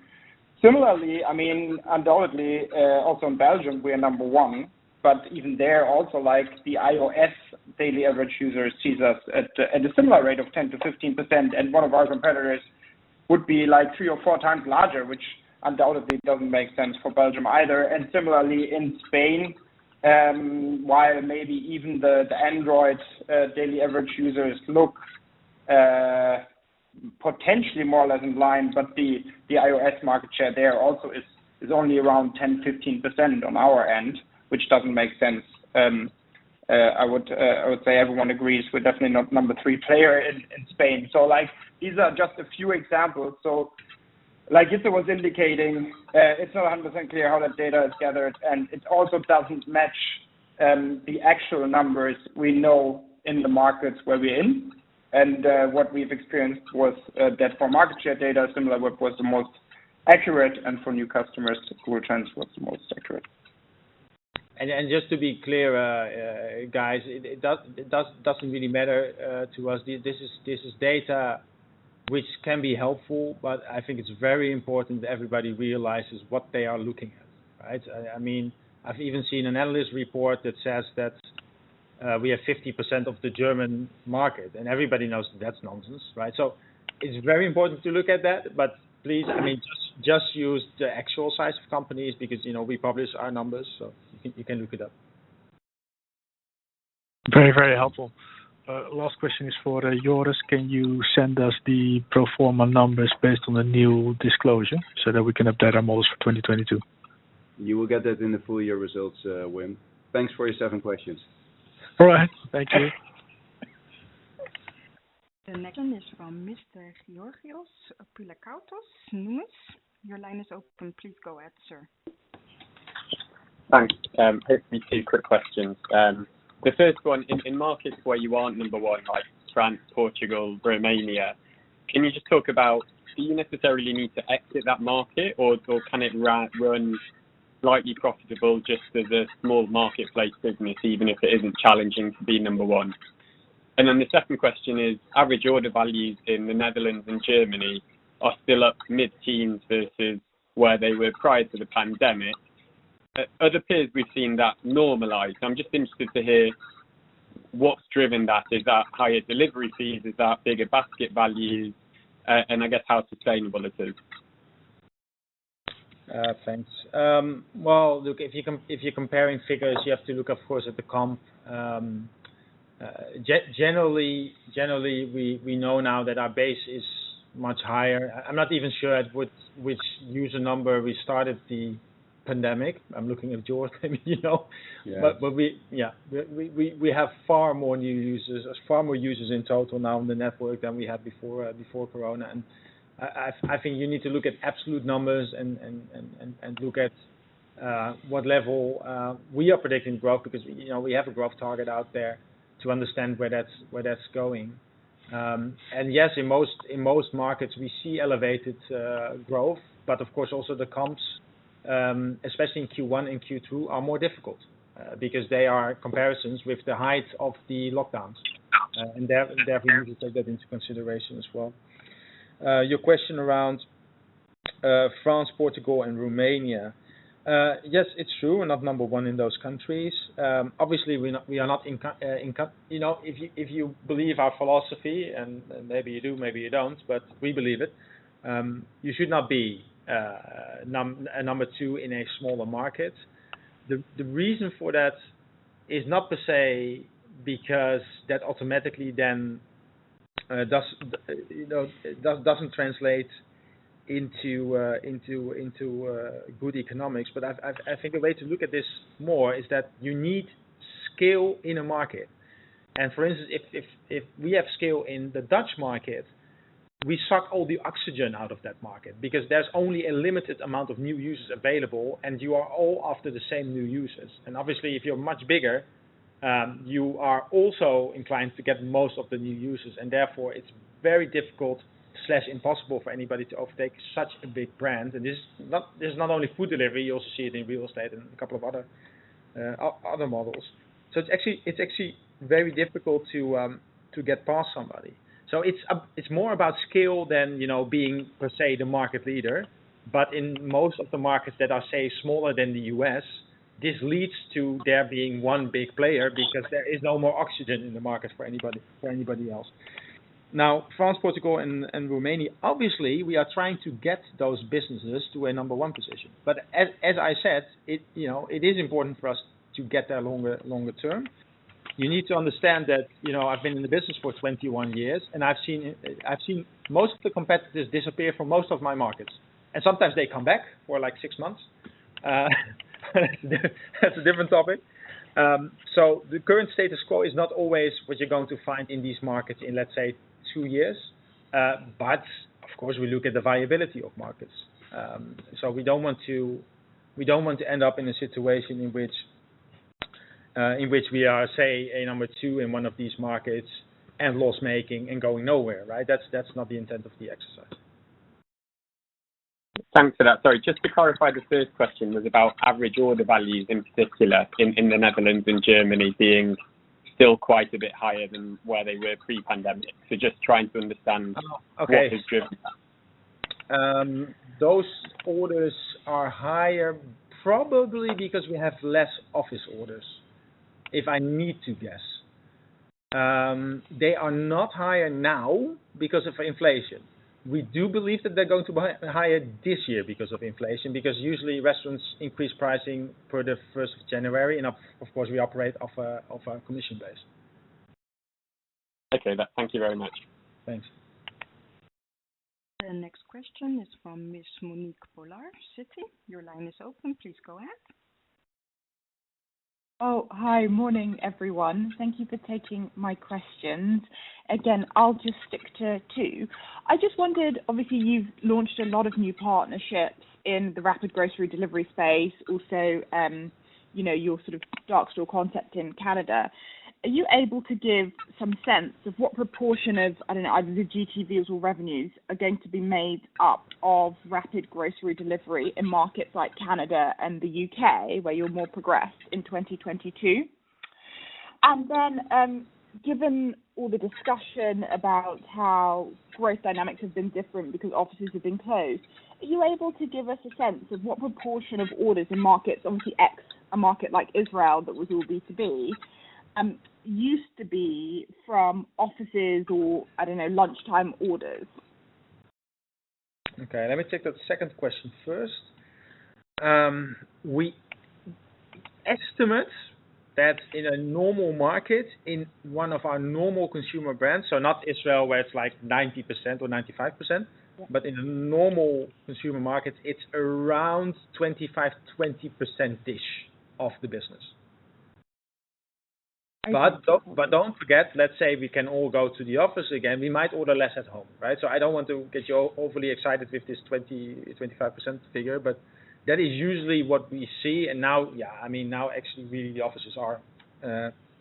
H: Similarly, I mean, undoubtedly, also in Belgium, we are number one, but even there also like the iOS daily average users sees us at a similar rate of 10%-15%, and one of our competitors would be like three or four times larger, which undoubtedly doesn't make sense for Belgium either. Similarly in Spain, while maybe even the Android daily average users look potentially more or less in line, but the iOS market share there also is only around 10-15% on our end, which doesn't make sense. I would say everyone agrees we're definitely not number three player in Spain. Like, these are just a few examples. Like Jitse was indicating, it's not 100% clear how that data is gathered, and it also doesn't match the actual numbers we know in the markets where we're in. What we've experienced was that for market share data, Similarweb was the most accurate, and for new customers, Google Trends was the most accurate.
B: Just to be clear, guys, it doesn't really matter to us. This is data which can be helpful, but I think it's very important that everybody realizes what they are looking at, right? I mean, I've even seen an analyst report that says that we have 50% of the German market, and everybody knows that's nonsense, right? It's very important to look at that. Please, I mean, just use the actual size of companies because, you know, we publish our numbers, so you can look it up.
G: Very, very helpful. Last question is for Joris. Can you send us the pro forma numbers based on the new disclosure so that we can update our models for 2022?
B: You will get that in the full year results, Wim. Thanks for your 7 questions.
G: All right. Thank you.
A: The next is from Mr. Georgios Pilakoutas, Numis. Your line is open. Please go ahead, sir.
I: Thanks. It'll be two quick questions. The first one, in markets where you aren't number one, like France, Portugal, Romania, can you just talk about, do you necessarily need to exit that market or can it run slightly profitable just as a small marketplace business, even if it isn't challenging to be number one? Then the second question is, average order values in the Netherlands and Germany are still up mid-teens versus where they were prior to the pandemic. At other peers we've seen that normalize. I'm just interested to hear what's driven that. Is that higher delivery fees? Is that bigger basket values? And I guess how sustainable it is.
B: Thanks. Well, look, if you're comparing figures, you have to look of course at the comps. Generally, we know now that our base is much higher. I'm not even sure at which user number we started the pandemic. I'm looking at Jörg. Let me let you know.
H: Yeah.
B: We have far more new users and far more users in total now on the network than we had before Corona. I think you need to look at absolute numbers and look at what level we are predicting growth because, you know, we have a growth target out there to understand where that's going. Yes, in most markets we see elevated growth. Of course also the comps, especially in Q1 and Q2 are more difficult because they are comparisons with the heights of the lockdowns.
I: Gotcha.
B: Therefore we need to take that into consideration as well. Your question around France, Portugal and Romania. Yes, it's true, we're not number one in those countries. Obviously we're not. You know, if you believe our philosophy, and maybe you do, maybe you don't, but we believe it, you should not be number two in a smaller market. The reason for that is not per se because that automatically then does, you know, doesn't translate into good economics. I think a way to look at this more is that you need scale in a market. For instance, if we have scale in the Dutch market, we suck all the oxygen out of that market because there's only a limited amount of new users available, and you are all after the same new users. Obviously, if you're much bigger, you are also inclined to get most of the new users, and therefore it's very difficult or impossible for anybody to overtake such a big brand. This is not only food delivery, you also see it in real estate and a couple of other models. It's actually very difficult to get past somebody. It's more about scale than, you know, being per se the market leader. In most of the markets that are, say, smaller than the U.S., this leads to there being one big player because there is no more oxygen in the market for anybody else. Now, France, Portugal and Romania, obviously, we are trying to get those businesses to a number one position. As I said, you know, it is important for us to get there longer term. You need to understand that, you know, I've been in the business for 21 years, and I've seen most of the competitors disappear from most of my markets. Sometimes they come back for like six months. That's a different topic. The current status quo is not always what you're going to find in these markets in, let's say, 2 years. Of course we look at the viability of markets. We don't want to end up in a situation in which we are, say, a number two in one of these markets and loss making and going nowhere, right? That's not the intent of the exercise.
I: Thanks for that. Sorry, just to clarify, the third question was about average order values in particular in the Netherlands and Germany being still quite a bit higher than where they were pre-pandemic. Just trying to understand-
B: Oh, okay.
I: What has driven that.
B: Those orders are higher probably because we have less office orders, if I need to guess. They are not higher now because of inflation. We do believe that they're going to higher this year because of inflation, because usually restaurants increase pricing for the first of January and of course, we operate off a commission base.
I: Okay. Thank you very much.
B: Thanks.
A: The next question is from Miss Monique Pollard, Citi. Your line is open. Please go ahead.
J: Oh, hi. Morning, everyone. Thank you for taking my questions. Again, I'll just stick to 2. I just wondered, obviously, you've launched a lot of new partnerships in the rapid grocery delivery space, also, you know, your sort of dark store concept in Canada. Are you able to give some sense of what proportion of, I don't know, either the GTVs or revenues are going to be made up of rapid grocery delivery in markets like Canada and the U.K., where you're more progressed in 2022? Given all the discussion about how growth dynamics have been different because offices have been closed, are you able to give us a sense of what proportion of orders in markets, obviously X, a market like Israel that was all B2B, used to be from offices or, I don't know, lunchtime orders?
B: Okay, let me take that second question first. We estimate that in a normal market, in one of our normal consumer brands, so not Israel, where it's like 90% or 95%, but in a normal consumer market, it's around 25, 20%-ish of the business.
J: I see.
B: don't forget, let's say we can all go to the office again, we might order less at home, right? I don't want to get you overly excited with this 20-25% figure, but that is usually what we see. now, yeah, I mean, now actually the offices are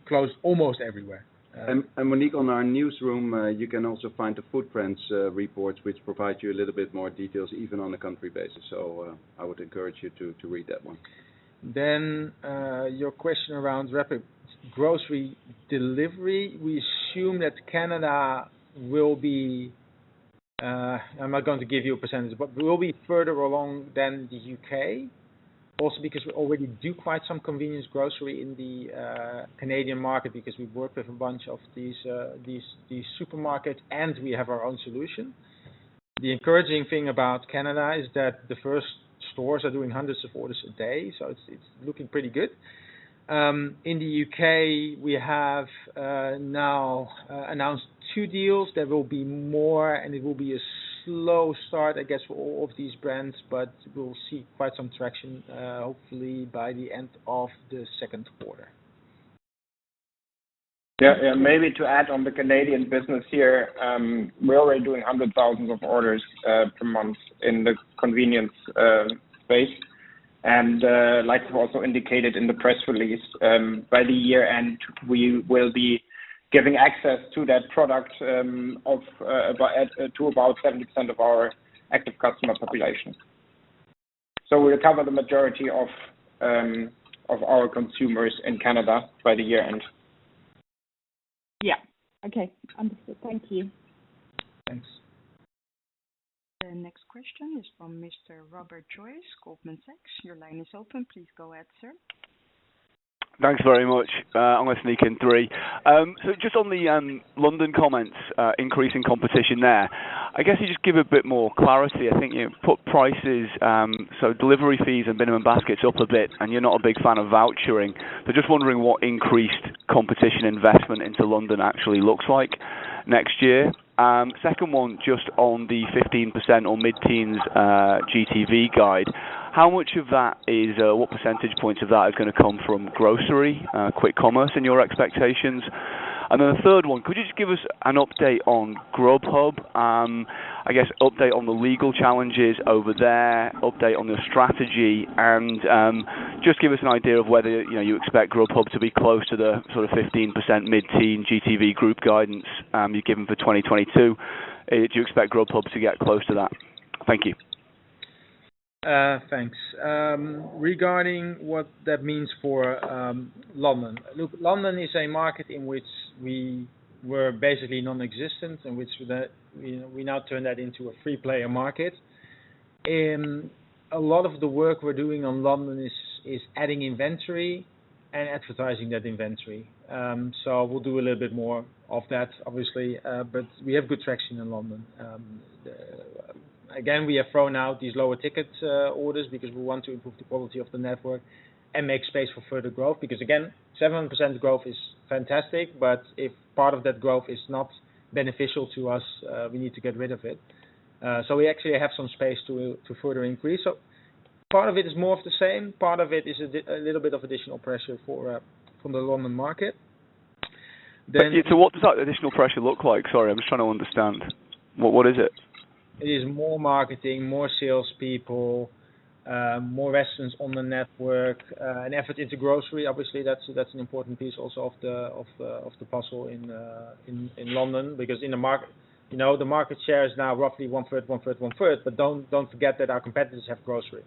B: closed almost everywhere.
H: Monique, on our newsroom, you can also find the Footprint reports which provide you a little bit more details even on a country basis. I would encourage you to read that one.
B: Your question around rapid grocery delivery. We assume that Canada will be. I'm not going to give you a percentage, but we'll be further along than the U.K. also because we already do quite some convenience grocery in the Canadian market, because we work with a bunch of these supermarkets and we have our own solution. The encouraging thing about Canada is that the first stores are doing hundreds of orders a day, so it's looking pretty good. In the U.K., we have now announced two deals. There will be more, and it will be a slow start, I guess for all of these brands, but we'll see quite some traction, hopefully by the end of the second quarter.
H: Maybe to add on the Canadian business here, we're already doing hundreds of thousands of orders per month in the convenience space. Like we've also indicated in the press release, by the year end, we will be giving access to that product to about 70% of our active customer population. We'll cover the majority of our consumers in Canada by the year end.
J: Yeah. Okay. Understood. Thank you.
H: Thanks.
A: The next question is from Mr. Rob Joyce, Goldman Sachs. Your line is open. Please go ahead, sir.
K: Thanks very much. I'm gonna sneak in three. So just on the London comments, increase in competition there. I guess you just give a bit more clarity. I think you put prices, so delivery fees and minimum baskets up a bit, and you're not a big fan of vouchering. Just wondering what increased competition investment into London actually looks like next year. Second one, just on the 15% or mid-teens GTV guide. How much of that is what percentage points of that is gonna come from grocery quick commerce in your expectations? Then the third one, could you just give us an update on Grubhub, I guess update on the legal challenges over there, update on the strategy and, just give us an idea of whether, you know, you expect Grubhub to be close to the sort of 15% mid-teen GTV group guidance, you've given for 2022. Do you expect Grubhub to get close to that? Thank you.
B: Thanks. Regarding what that means for London. Look, London is a market in which we were basically non-existent, you know, we now turn that into a free player market. A lot of the work we're doing on London is adding inventory and advertising that inventory. We'll do a little bit more of that, obviously, but we have good traction in London. Again, we have thrown out these lower ticket orders because we want to improve the quality of the network and make space for further growth. Because again, 7% growth is fantastic, but if part of that growth is not beneficial to us, we need to get rid of it. We actually have some space to further increase. Part of it is more of the same, part of it is a little bit of additional pressure from the London market.
K: Thank you. What does that additional pressure look like? Sorry, I'm just trying to understand, what is it?
B: It is more marketing, more salespeople, more restaurants on the network, an effort into grocery. Obviously, that's an important piece also of the puzzle in London. Because in the market. You know, the market share is now roughly 1/3, 1/3, 1/3, but don't forget that our competitors have grocery.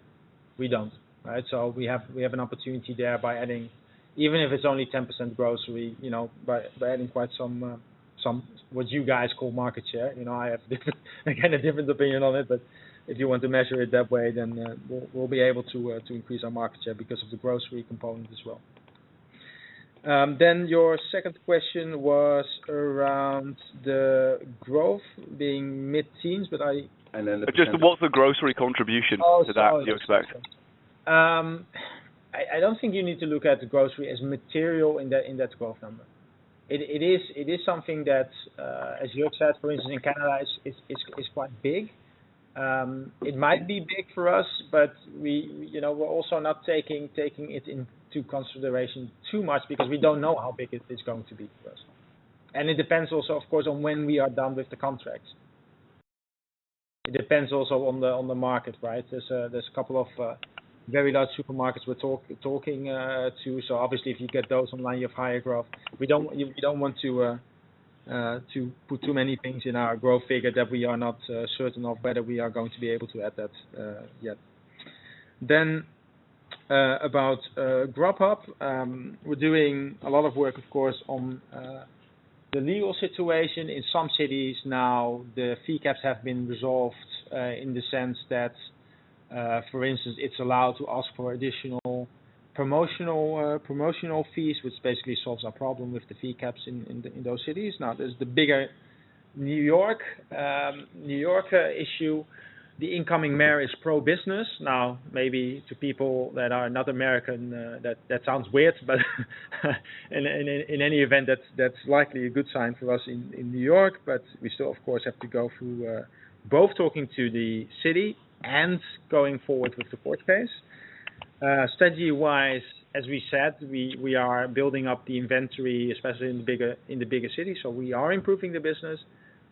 B: We don't. Right? We have an opportunity there by adding, even if it's only 10% grocery, you know, by adding quite some, what you guys call market share. You know, I have different I kind of different opinion on it, but if you want to measure it that way, then we'll be able to increase our market share because of the grocery component as well. Your second question was around the growth being mid-teens%, but I-
K: Just what is the grocery contribution to that you expect?
B: Sorry. I don't think you need to look at grocery as material in that growth number. It is something that, as you said, for instance in Canada, is quite big. It might be big for us, but we, you know, we're also not taking it into consideration too much because we don't know how big it's going to be for us. It depends also, of course, on when we are done with the contracts. It depends also on the market, right? There's a couple of very large supermarkets we're talking to. Obviously if you get those online, you have higher growth. We don't want to put too many things in our growth figure that we are not certain of whether we are going to be able to add that yet. About Grubhub. We're doing a lot of work, of course, on the legal situation. In some cities now, the fee caps have been resolved in the sense that, for instance, it's allowed to ask for additional promotional fees, which basically solves our problem with the fee caps in those cities. Now, there's the bigger New York issue. The incoming mayor is pro-business. Now, maybe to people that are not American, that sounds weird, but in any event, that's likely a good sign for us in New York, but we still of course have to go through both talking to the city and going forward with the court case. Strategy-wise, as we said, we are building up the inventory, especially in the bigger cities. We are improving the business,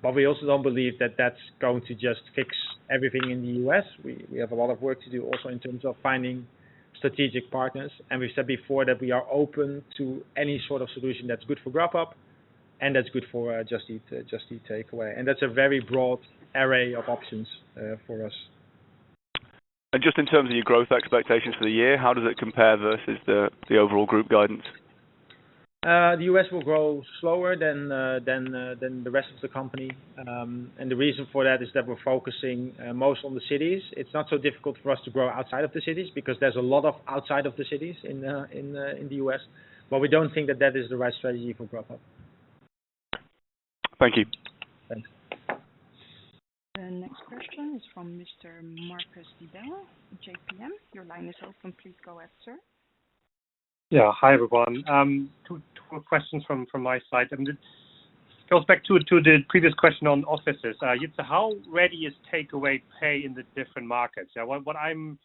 B: but we also don't believe that that's going to just fix everything in the U.S. We have a lot of work to do also in terms of finding strategic partners, and we've said before that we are open to any sort of solution that's good for Grubhub. That's good for Just Eat Takeaway. That's a very broad array of options for us.
K: Just in terms of your growth expectations for the year, how does it compare versus the overall group guidance?
B: The U.S. will grow slower than the rest of the company. The reason for that is that we're focusing most on the cities. It's not so difficult for us to grow outside of the cities because there's a lot outside of the cities in the U.S. We don't think that is the right strategy for Grubhub.
K: Thank you.
B: Thanks.
A: The next question is from Mr. Marcus Diebel, JPM. Your line is open. Please go ahead, sir.
L: Yeah. Hi, everyone. Two questions from my side. It goes back to the previous question on offices. Jits, how ready is Takeaway Pay in the different markets? What I'm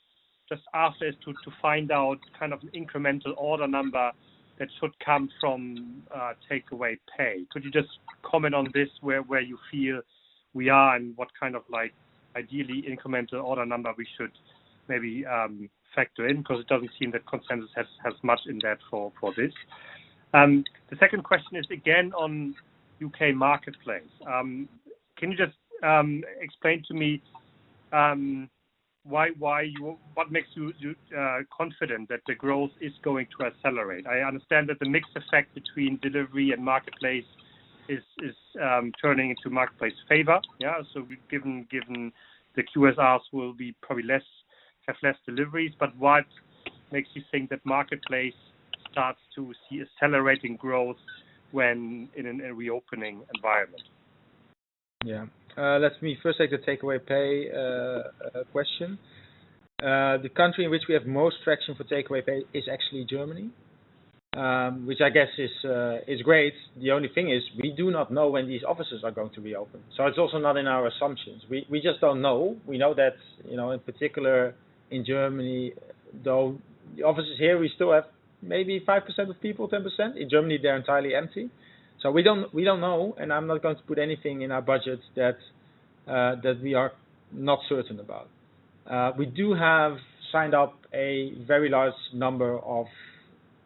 L: just asking is to find out kind of incremental order number that should come from Takeaway Pay. Could you just comment on this where you feel we are and what kind of like, ideally, incremental order number we should maybe factor in? Because it doesn't seem that consensus has much in that for this. The second question is again on U.K. marketplace. Can you just explain to me what makes you confident that the growth is going to accelerate? I understand that the mix effect between delivery and marketplace is turning into marketplace favor. Yeah, given the QSRs will probably have less deliveries. What makes you think that marketplace starts to see accelerating growth when in a reopening environment?
B: Let me first take the Takeaway Pay question. The country in which we have most traction for Takeaway Pay is actually Germany, which I guess is great. The only thing is we do not know when these offices are going to be open. It's also not in our assumptions. We just don't know. We know that, you know, in particular in Germany, though, the offices here, we still have maybe 5% of people, 10%. In Germany, they're entirely empty. We don't know, and I'm not going to put anything in our budget that we are not certain about. We do have signed up a very large number of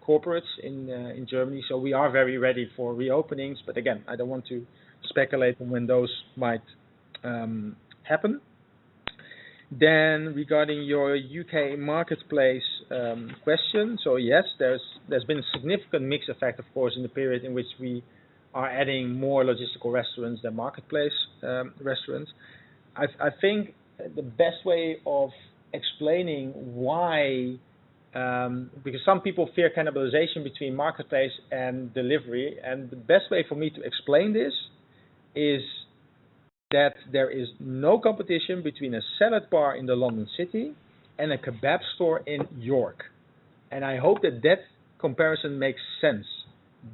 B: corporates in Germany, so we are very ready for reopenings. Again, I don't want to speculate on when those might happen. Regarding your UK marketplace question. Yes, there's been significant mix effect, of course, in the period in which we are adding more logistical restaurants than marketplace restaurants. I think the best way of explaining why. Because some people fear cannibalization between marketplace and delivery. The best way for me to explain this is that there is no competition between a salad bar in the London city and a kebab store in York. I hope that comparison makes sense.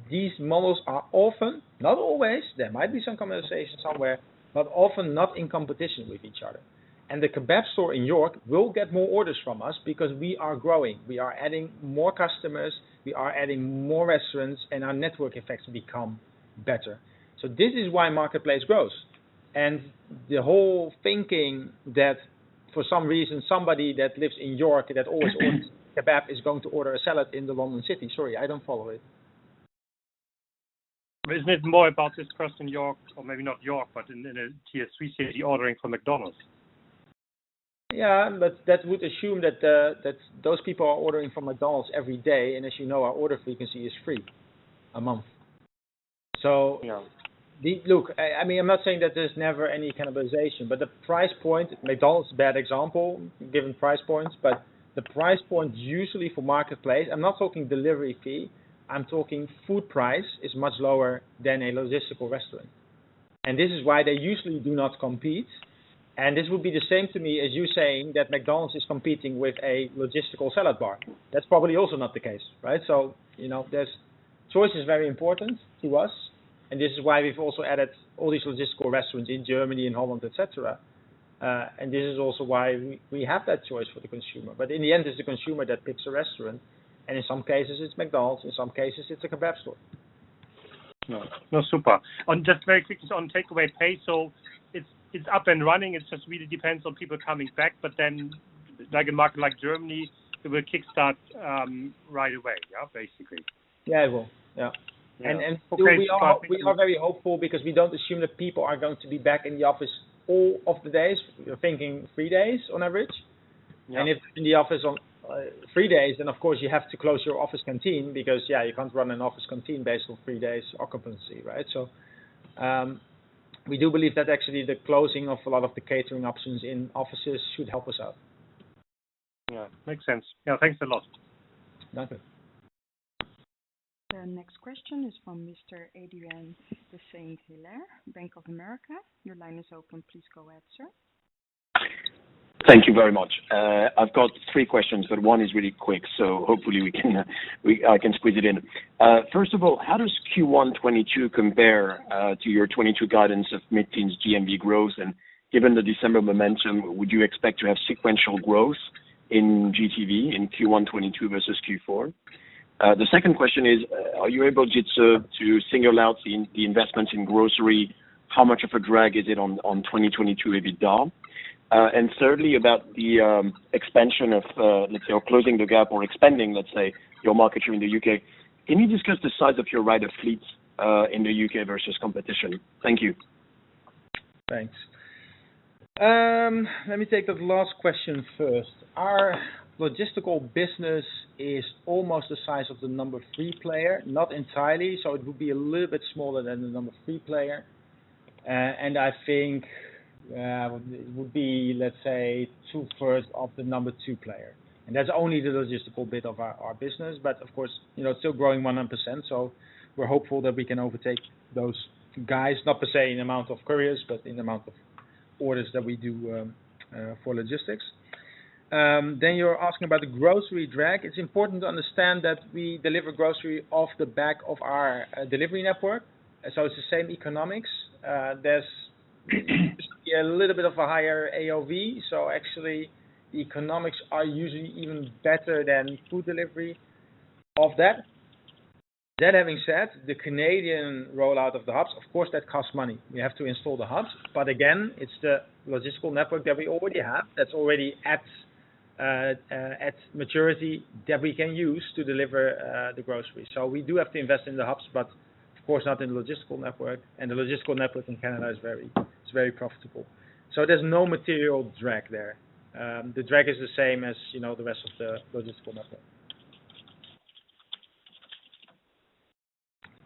B: These models are often, not always, there might be some cannibalization somewhere, but often not in competition with each other. The kebab store in York will get more orders from us because we are growing. We are adding more customers, we are adding more restaurants, and our network effects become better. This is why marketplace grows. The whole thinking that for some reason, somebody that lives in York that always orders kebab is going to order a salad in the London city. Sorry, I don't follow it.
L: Isn't it more about this person in York, or maybe not York, but in a tier-three city ordering from McDonald's?
B: Yeah, but that would assume that those people are ordering from McDonald's every day. As you know, our order frequency is 3 a month.
L: Yeah.
B: Look, I mean, I'm not saying that there's never any cannibalization, but the price point, McDonald's bad example, given price points, but the price points usually for marketplace, I'm not talking delivery fee, I'm talking food price, is much lower than a local restaurant. This is why they usually do not compete. This would be the same to me as you saying that McDonald's is competing with a local salad bar. That's probably also not the case, right? You know, the choice is very important to us, and this is why we've also added all these local restaurants in Germany and Holland, et cetera. This is also why we have that choice for the consumer. In the end, it's the consumer that picks a restaurant. In some cases it's McDonald's, in some cases it's a kebab store.
L: No. No, super. Just very quick on Takeaway Pay. It's up and running. It just really depends on people coming back. Like a market like Germany, it will kickstart right away, yeah, basically.
B: Yeah, it will. Yeah.
L: Yeah.
B: We are
L: Okay.
B: We are very hopeful because we don't assume that people are going to be back in the office all of the days. We're thinking three days on average.
L: Yeah.
B: If in the office on three days, then of course you have to close your office canteen because, yeah, you can't run an office canteen based on three days occupancy, right? We do believe that actually the closing of a lot of the catering options in offices should help us out.
L: Yeah. Makes sense. Yeah, thanks a lot.
B: My pleasure.
A: The next question is from Mr. Adrien de Saint Hilaire, Bank of America. Your line is open. Please go ahead, sir.
M: Thank you very much. I've got three questions, but one is really quick, so hopefully we can squeeze it in. First of all, how does Q1 2022 compare to your 2022 guidance of mid-teens GTV growth? And given the December momentum, would you expect to have sequential growth in GTV in Q1 2022 versus Q4? The second question is, are you able to single out the investment in grocery, how much of a drag is it on 2022 EBITDA? And thirdly about the expansion of, let's say closing the gap or expanding, let's say, your market share in the U.K. Can you discuss the size of your rider fleet in the U.K. versus competition? Thank you.
B: Thanks. Let me take that last question first. Our logistical business is almost the size of the number three player, not entirely, so it would be a little bit smaller than the number three player. I think it would be, let's say, two-thirds of the number two player. That's only the logistical bit of our business, but of course, you know, it's still growing 100%, so we're hopeful that we can overtake those guys, not per se in amount of couriers, but in the amount of orders that we do for logistics. You're asking about the grocery drag. It's important to understand that we deliver grocery off the back of our delivery network, so it's the same economics. There's a little bit of a higher AOV, so actually the economics are usually even better than food delivery of that. That having said, the Canadian rollout of the hubs, of course, that costs money. We have to install the hubs. But again, it's the logistical network that we already have that's already at maturity that we can use to deliver the grocery. So we do have to invest in the hubs, but of course not in logistical network. And the logistical network in Canada is very profitable. So there's no material drag there. The drag is the same as, you know, the rest of the logistical network.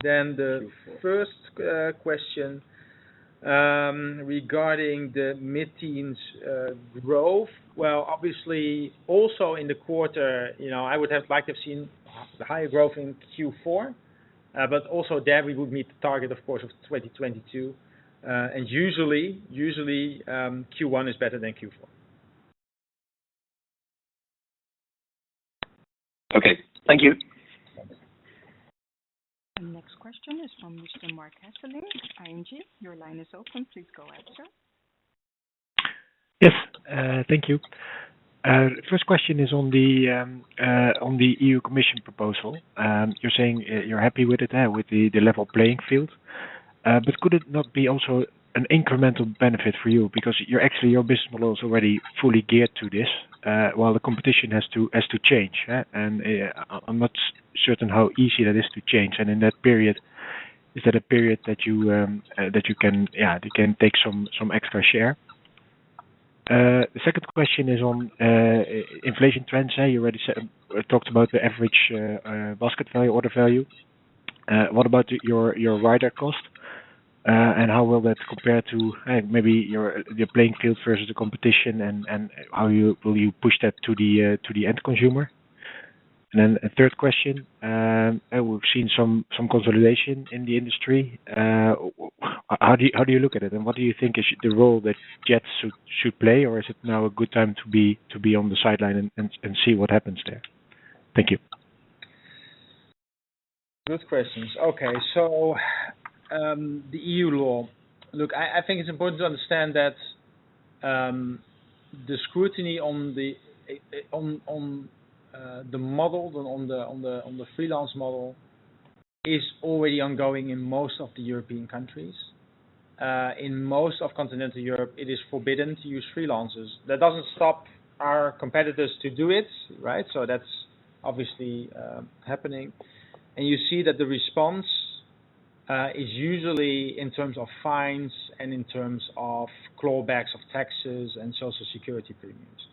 B: The first question regarding the mid-teens growth. Well, obviously, also in the quarter, you know, I would have liked to have seen higher growth in Q4, but also there we would meet the target, of course, of 2022. Usually, Q1 is better than Q4.
M: Okay. Thank you.
A: The next question is from Mr. Marc Hesselink, ING. Your line is open. Please go ahead, sir.
N: Yes, thank you. First question is on the European Commission proposal. You're saying you're happy with it, with the level playing field. Could it not be also an incremental benefit for you? Because you're actually, your business model is already fully geared to this, while the competition has to change. I'm not certain how easy that is to change. In that period, is that a period that you can take some extra share. Second question is on inflation trends. You already talked about the average basket value, order value. What about your rider cost? How will that compare to maybe your playing field versus the competition, and how will you push that to the end consumer? Then a third question, we've seen some consolidation in the industry. How do you look at it? What do you think is the role that JET should play, or is it now a good time to be on the sidelines and see what happens there? Thank you.
B: Good questions. Okay. The EU law. Look, I think it's important to understand that the scrutiny on the freelance model is already ongoing in most of the European countries. In most of continental Europe, it is forbidden to use freelancers. That doesn't stop our competitors to do it, right? That's obviously happening. You see that the response is usually in terms of fines and in terms of clawbacks of taxes and social security premiums.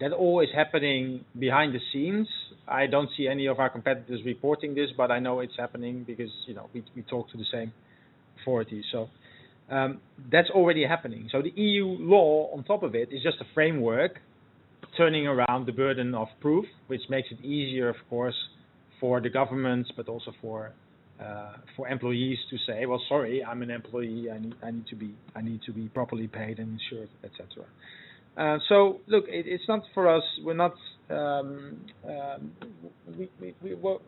B: That all is happening behind the scenes. I don't see any of our competitors reporting this, but I know it's happening because, you know, we talk to the same authorities. That's already happening. The EU law on top of it is just a framework turning around the burden of proof, which makes it easier, of course, for the governments, but also for employees to say, "Well, sorry, I'm an employee, I need to be properly paid and insured," et cetera. Look, it's not for us.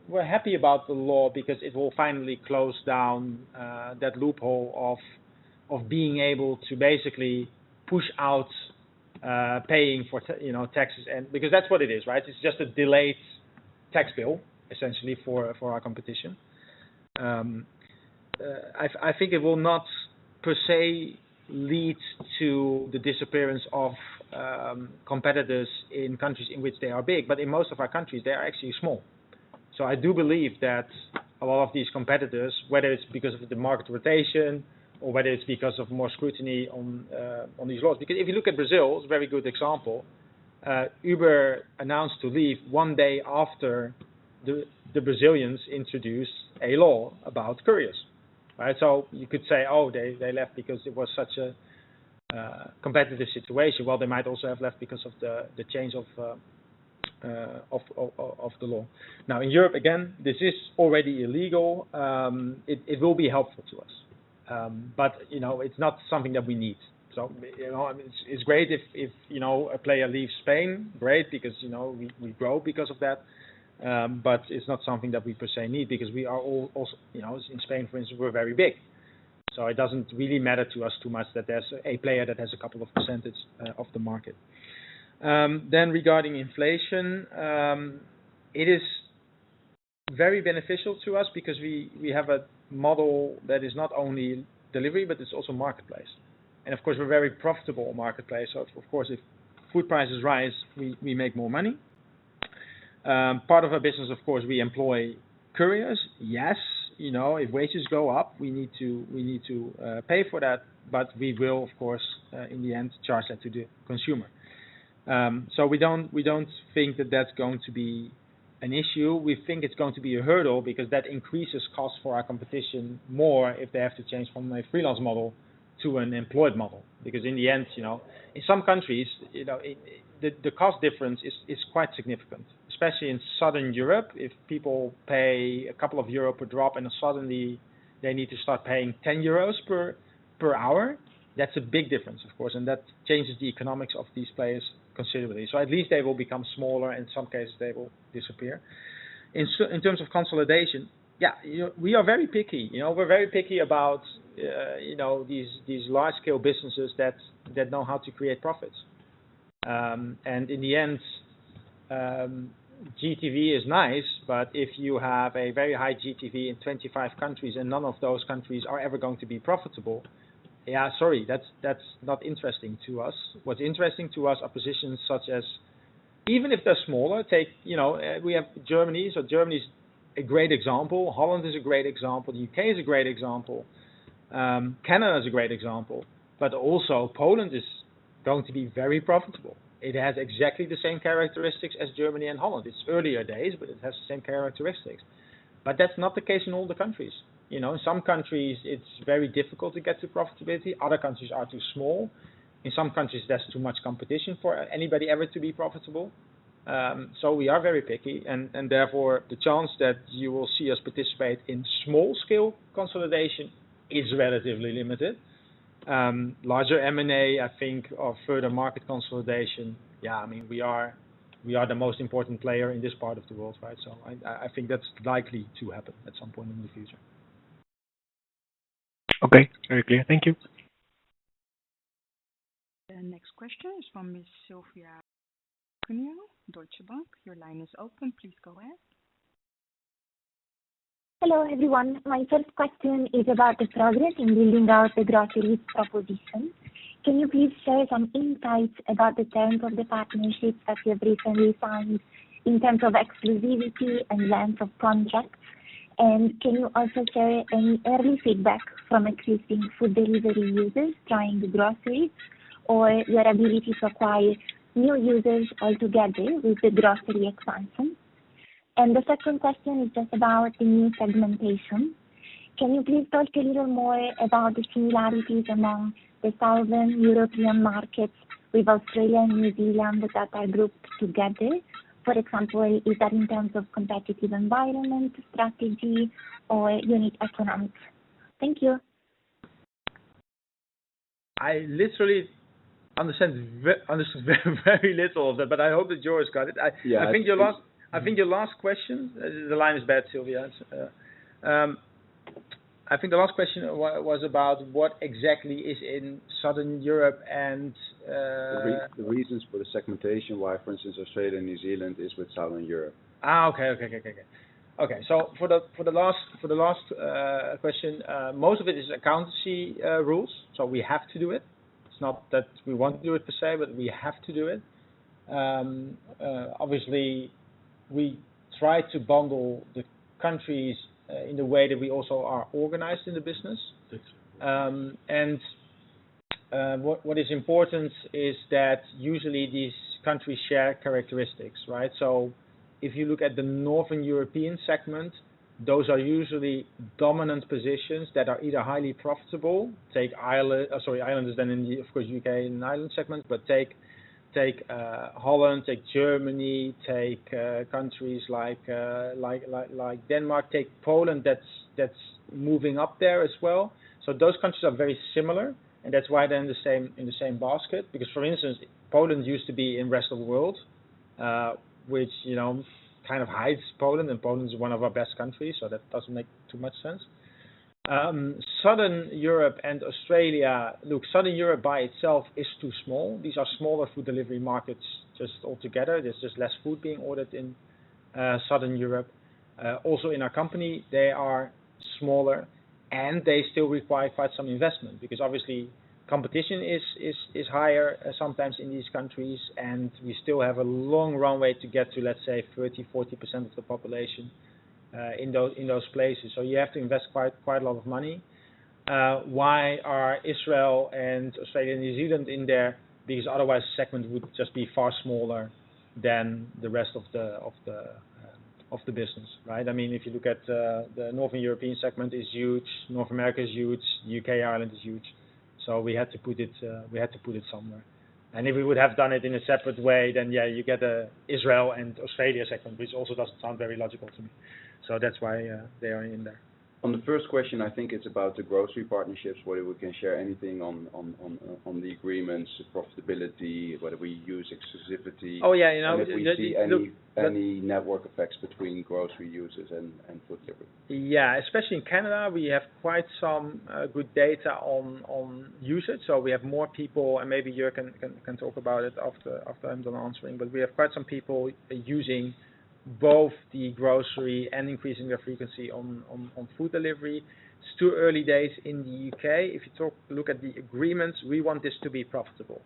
B: We're happy about the law because it will finally close down that loophole of being able to basically push out paying for you know, taxes and. Because that's what it is, right? It's just a delayed tax bill, essentially, for our competition. I think it will not per se lead to the disappearance of competitors in countries in which they are big, but in most of our countries, they are actually small. I do believe that a lot of these competitors, whether it's because of the market rotation or whether it's because of more scrutiny on these laws, because if you look at Brazil, it's a very good example. Uber announced to leave one day after the Brazilians introduced a law about couriers, right? You could say, "Oh, they left because it was such a competitive situation." Well, they might also have left because of the change of the law. Now in Europe, again, this is already illegal. It will be helpful to us. You know, it's not something that we need. You know, it's great if you know, a player leaves Spain, great, because you know, we grow because of that. It's not something that we per se need because we are also, you know, in Spain, for instance, we're very big. It doesn't really matter to us too much that there's a player that has a couple percent of the market. Regarding inflation, it is very beneficial to us because we have a model that is not only delivery, but it's also marketplace. And of course, we're very profitable marketplace. So of course, if food prices rise, we make more money. Part of our business, of course, we employ couriers. Yes, you know, if wages go up, we need to pay for that. We will, of course, in the end, charge that to the consumer. We don't think that that's going to be an issue. We think it's going to be a hurdle because that increases costs for our competition more if they have to change from a freelance model to an employed model. Because in the end, you know, in some countries, you know, the cost difference is quite significant, especially in Southern Europe. If people pay a couple of euros per drop and suddenly they need to start paying 10 euros per hour, that's a big difference, of course, and that changes the economics of these players considerably. At least they will become smaller, in some cases, they will disappear. In terms of consolidation, yeah, you know, we are very picky. You know, we're very picky about these large scale businesses that know how to create profits. In the end, GTV is nice, but if you have a very high GTV in 25 countries and none of those countries are ever going to be profitable, yeah, sorry, that's not interesting to us. What's interesting to us are positions such as even if they're smaller, take, you know, we have Germany. Germany's a great example, Holland is a great example, U.K. is a great example. Canada is a great example. Poland is going to be very profitable. It has exactly the same characteristics as Germany and Holland. It's earlier days, but it has the same characteristics. That's not the case in all the countries. You know, in some countries it's very difficult to get to profitability. Other countries are too small. In some countries, there's too much competition for anybody ever to be profitable. We are very picky and therefore, the chance that you will see us participate in small scale consolidation is relatively limited. Larger M&A, I think of further market consolidation, yeah, I mean, we are the most important player in this part of the world, right? I think that's likely to happen at some point in the future.
N: Okay. Very clear. Thank you.
A: The next question is from Miss Silvia Cuneo, Deutsche Bank. Your line is open. Please go ahead.
O: Hello, everyone. My first question is about the progress in building out the grocery proposition. Can you please share some insights about the terms of the partnerships that you have recently signed in terms of exclusivity and length of contracts? Can you also share any early feedback from existing food delivery users trying the groceries or your ability to acquire new users altogether with the grocery expansion? The second question is just about the new segmentation. Can you please talk a little more about the similarities among the Southern European markets with Australia and New Zealand that are grouped together? For example, is that in terms of competitive environment strategy or unique economics? Thank you.
B: I literally understand very little of that, but I hope that Joerg got it.
O: Yeah.
B: I think your last question, the line is bad, Silvia. I think the last question was about what exactly is in Southern Europe and The reasons for the segmentation, why, for instance, Australia and New Zealand is with Southern Europe. Okay. For the last question, most of it is accountancy rules, so we have to do it. It's not that we want to do it per se, but we have to do it. Obviously, we try to bundle the countries in the way that we also are organized in the business.
O: Yes.
B: What is important is that usually these countries share characteristics, right? If you look at the Northern European segment, those are usually dominant positions that are either highly profitable. Take Ireland, which is, of course, in the UK and Ireland segment. Take Holland, take Germany, take countries like Denmark, take Poland, that's moving up there as well. Those countries are very similar, and that's why they're in the same basket. Because, for instance, Poland used to be in Rest of World, which, you know, kind of hides Poland, and Poland is one of our best countries, so that doesn't make too much sense. Southern Europe and Australia. Look, Southern Europe by itself is too small. These are smaller food delivery markets just altogether. There's just less food being ordered in Southern Europe. Also in our company, they are smaller, and they still require quite some investment because obviously competition is higher sometimes in these countries, and we still have a long runway to get to, let's say 30%-40% of the population in those places. You have to invest quite a lot of money. Why are Israel and Australia and New Zealand in there? Because otherwise the segment would just be far smaller than the rest of the business, right? I mean, if you look at the Northern European segment is huge. North America is huge. U.K., Ireland is huge. We had to put it somewhere. If we would have done it in a separate way, then yeah, you get an Israel and Australia segment, which also doesn't sound very logical to me. That's why they are in there. On the first question, I think it's about the grocery partnerships, whether we can share anything on the agreements, profitability, whether we use exclusivity. Oh, yeah, you know. If we see any. Look- Any network effects between grocery users and Yeah, especially in Canada, we have quite some good data on usage, so we have more people, and maybe Jörg can talk about it after I'm done answering. We have quite some people using both the grocery and increasing their frequency on food delivery. It's too early days in the U.K. Look at the agreements, we want this to be profitable.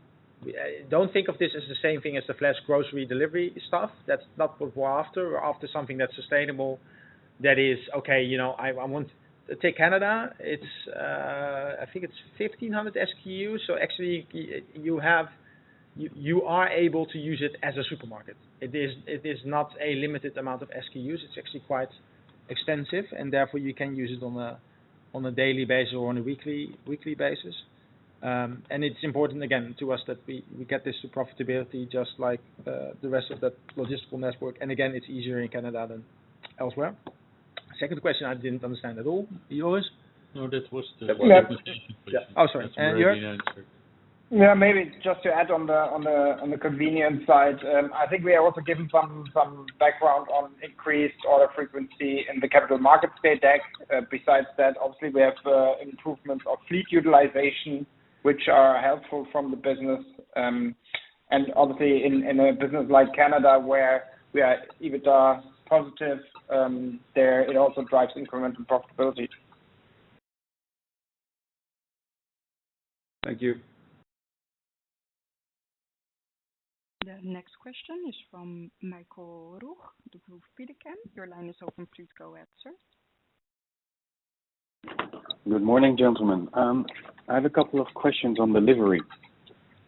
B: Don't think of this as the same thing as the fresh grocery delivery stuff. That's not what we're after. We're after something that's sustainable, that is, okay, you know, I want. Take Canada. I think it's 1,500 SKUs, so actually you have. You are able to use it as a supermarket. It is not a limited amount of SKUs. It's actually quite extensive, and therefore, you can use it on a daily basis or on a weekly basis. It's important again to us that we get this to profitability just like the rest of the logistical network. It's easier in Canada than elsewhere. Second question I didn't understand at all. Joost?
H: No, that was the-
B: Oh, sorry. Jörg?
H: Yeah, maybe just to add on the convenience side, I think we are also given some background on increased order frequency in the Capital Markets Day deck. Besides that, obviously we have improvement of fleet utilization, which is helpful for the business. Obviously in a business like Canada where we are EBITDA positive, it also drives incremental profitability.
B: Thank you.
A: The next question is from Michael Roeg of Degroof Petercam. Your line is open. Please go ahead, sir.
P: Good morning, gentlemen. I have a couple of questions on delivery.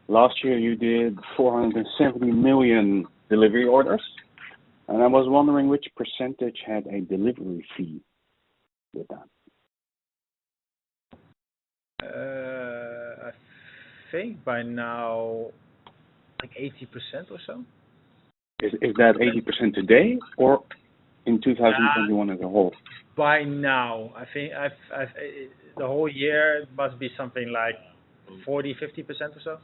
P: Last year, you did 470 million delivery orders, and I was wondering which percentage had a delivery fee with that.
B: I think by now, like 80% or so.
P: Is that 80% today or in 2021 as a whole?
B: By now, I think I've. The whole year must be something like 40%-50% or so.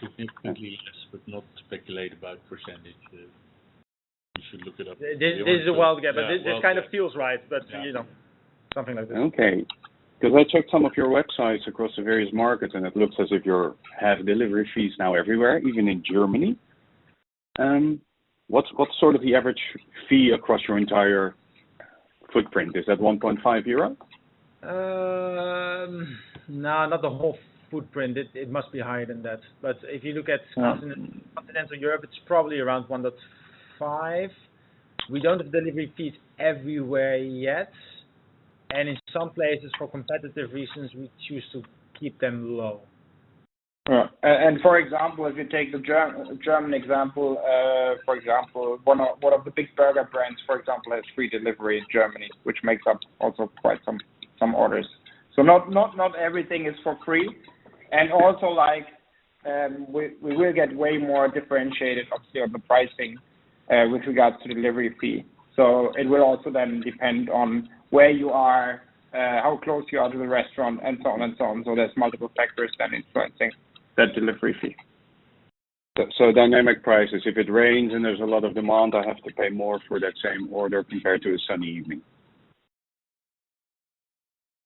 H: Significantly less, but do not speculate about percentages. You should look it up.
B: This is a wild guess. This kind of feels right. You know, something like that.
P: Okay. 'Cause I checked some of your websites across the various markets, and it looks as if you have delivery fees now everywhere, even in Germany. What's sort of the average fee across your entire footprint? Is that 1.5 euro?
B: No, not the whole Footprint. It must be higher than that. If you look at continental Europe, it's probably around 1.5. We don't have delivery fees everywhere yet, and in some places, for competitive reasons, we choose to keep them low.
H: For example, if you take the German example, for example, one of the big burger brands, for example, has free delivery in Germany, which also makes up quite some orders. Not everything is for free. Also like, we will get way more differentiated obviously on the pricing with regards to delivery fee. It will also then depend on where you are, how close you are to the restaurant, and so on. There's multiple factors that influence things.
P: That delivery fee. Dynamic prices. If it rains and there's a lot of demand, I have to pay more for that same order compared to a sunny evening.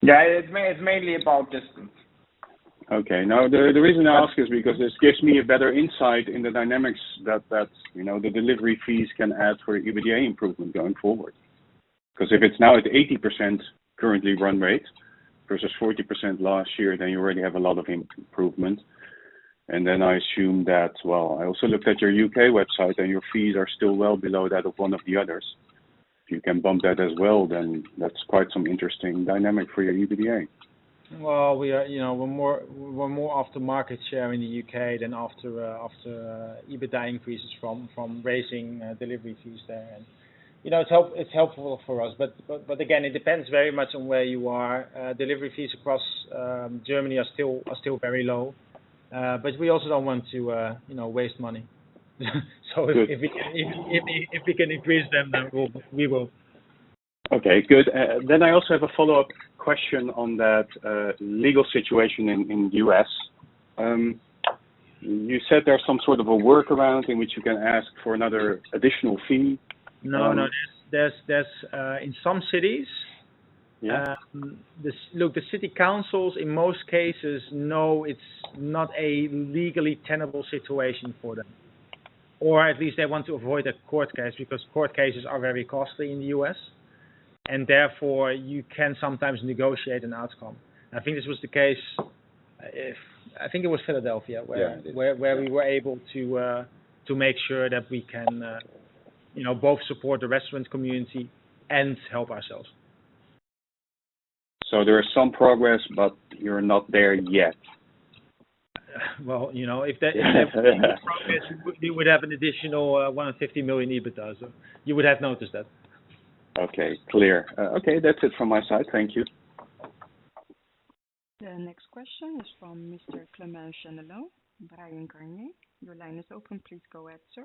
H: Yeah, it's mainly about distance.
P: Okay. No, the reason I ask is because this gives me a better insight in the dynamics that you know, the delivery fees can add for EBITDA improvement going forward. 'Cause if it's now at 80% currently run rate versus 40% last year, then you already have a lot of improvement. I assume that. Well, I also looked at your U.K. website, and your fees are still well below that of one of the others. If you can bump that as well, then that's quite some interesting dynamic for your EBITDA.
B: Well, we are, you know, we're more after market share in the UK than after EBITDA increases from raising delivery fees there. You know, it's helpful for us. Again, it depends very much on where you are. Delivery fees across Germany are still very low. We also don't want to, you know, waste money. If we can increase them, then we will.
P: Okay, good. I also have a follow-up question on that legal situation in the U.S. You said there's some sort of a workaround in which you can ask for another additional fee.
B: No, no. There's in some cities.
P: Yeah.
B: Look, the city councils, in most cases, know it's not a legally tenable situation for them, or at least they want to avoid a court case because court cases are very costly in the U.S., and therefore, you can sometimes negotiate an outcome. I think this was the case. I think it was Philadelphia where-
P: Yeah.
B: Where we were able to make sure that we can, you know, both support the restaurant community and help ourselves.
P: There is some progress, but you're not there yet.
B: Well, you know, if that progress, we would have an additional 150 million EBITDA. You would have noticed that.
P: Okay, clear. Okay, that's it from my side. Thank you.
A: The next question is from Mr. Clément Genelot, Bryan, Garnier. Your line is open. Please go ahead, sir.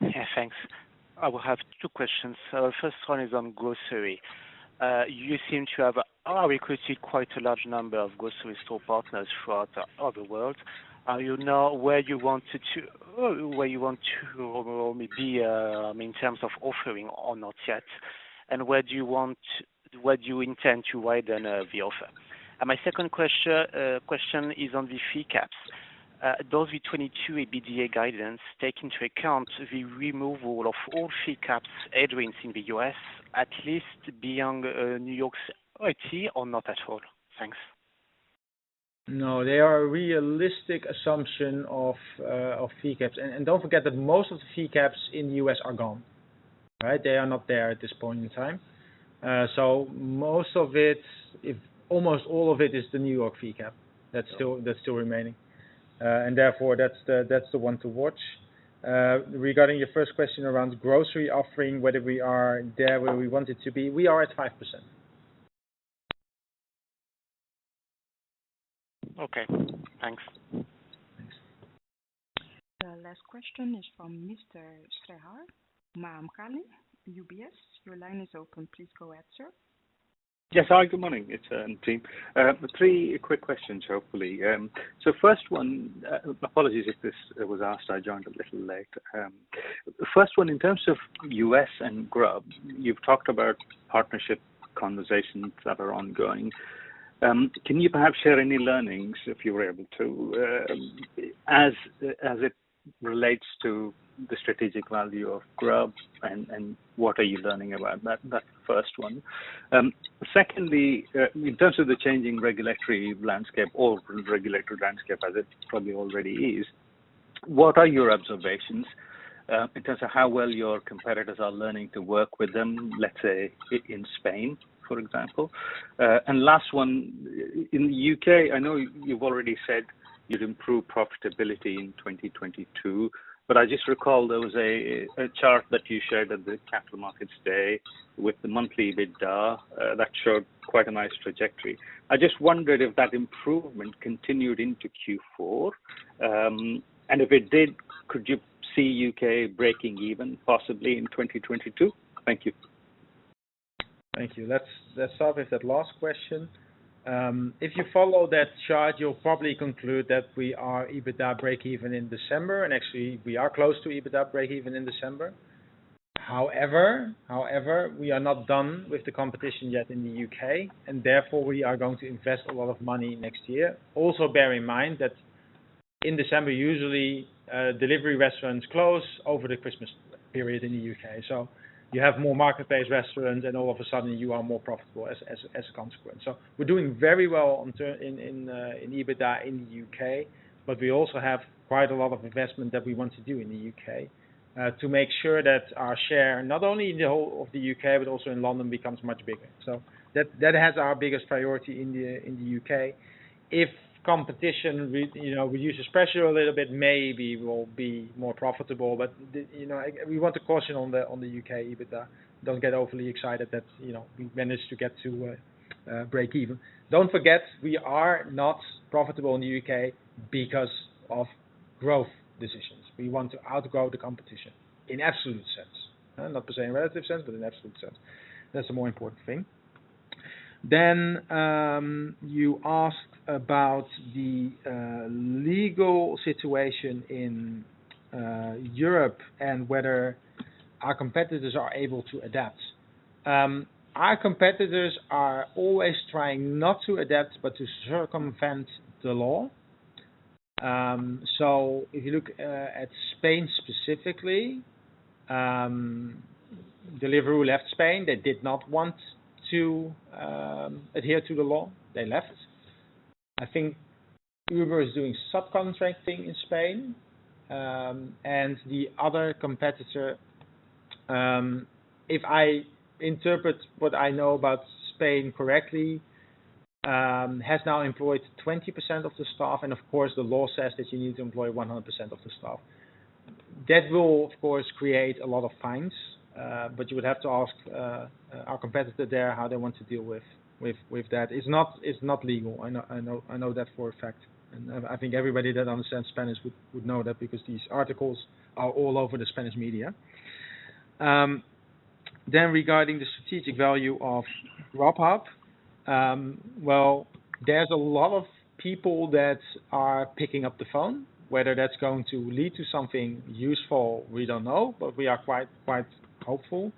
Q: Yeah, thanks. I will have two questions. First one is on grocery. You seem to have recruited quite a large number of grocery store partners throughout the world. Are you now where you want to maybe, I mean, in terms of offering or not yet? And where do you intend to widen the offer? And my second question is on the fee caps. Does the 2022 EBITDA guidance take into account the removal of all fee caps headwinds in the U.S., at least beyond New York City or not at all? Thanks.
B: No, they are a realistic assumption of fee caps. Don't forget that most of the fee caps in the U.S. are gone. Right? They are not there at this point in time. So most of it, if almost all of it is the New York fee cap that's remaining. Therefore, that's the one to watch. Regarding your first question around grocery offering, whether we are there where we want it to be, we are at 5%.
Q: Okay, thanks.
B: Thanks.
A: The last question is from Mr. Sreedhar Mahamkali, UBS. Your line is open. Please go ahead, sir.
R: Yes. Hi, good morning. It's Tim. Three quick questions, hopefully. First one, apologies if this was asked, I joined a little late. First one, in terms of U.S. and Grubhub, you've talked about partnership conversations that are ongoing. Can you perhaps share any learnings, if you were able to, as it relates to the strategic value of Grubhub and what are you learning about?
S: That first one. Secondly, in terms of the changing regulatory landscape or regulatory landscape as it probably already is, what are your observations in terms of how well your competitors are learning to work with them, let's say, in Spain, for example? Last one, in the U.K., I know you've already said you'd improve profitability in 2022, but I just recall there was a chart that you showed at the Capital Markets Day with the monthly EBITDA that showed quite a nice trajectory. I just wondered if that improvement continued into Q4. If it did, could you see U.K. breaking even possibly in 2022? Thank you.
B: Thank you. Let's start with that last question. If you follow that chart, you'll probably conclude that we are EBITDA breakeven in December, and actually, we are close to EBITDA breakeven in December. However, we are not done with the competition yet in the U.K., and therefore, we are going to invest a lot of money next year. Also, bear in mind that in December, usually, delivery restaurants close over the Christmas period in the U.K. You have more market-based restaurants, and all of a sudden, you are more profitable as a consequence. We're doing very well in EBITDA in the U.K., but we also have quite a lot of investment that we want to do in the U.K. to make sure that our share, not only in the whole of the U.K., but also in London, becomes much bigger. That has our biggest priority in the U.K. In competition, we, you know, we use expression a little bit, maybe we'll be more profitable. But you know, we want to caution on the U.K. EBITDA. Don't get overly excited that, you know, we managed to get to breakeven. Don't forget, we are not profitable in the U.K. because of growth decisions. We want to outgrow the competition in absolute sense, not to say in relative sense, but in absolute sense. That's the more important thing. You asked about the legal situation in Europe and whether our competitors are able to adapt. Our competitors are always trying not to adapt, but to circumvent the law. If you look at Spain specifically, Deliveroo left Spain. They did not want to adhere to the law. They left. I think Uber is doing subcontracting in Spain, and the other competitor, if I interpret what I know about Spain correctly, has now employed 20% of the staff, and of course, the law says that you need to employ 100% of the staff. That will of course create a lot of fines, but you would have to ask our competitor there, how they want to deal with that. It's not legal. I know that for a fact. I think everybody that understands Spanish would know that because these articles are all over the Spanish media. Regarding the strategic value of Grubhub, well, there's a lot of people that are picking up the phone. Whether that's going to lead to something useful, we don't know, but we are quite hopeful.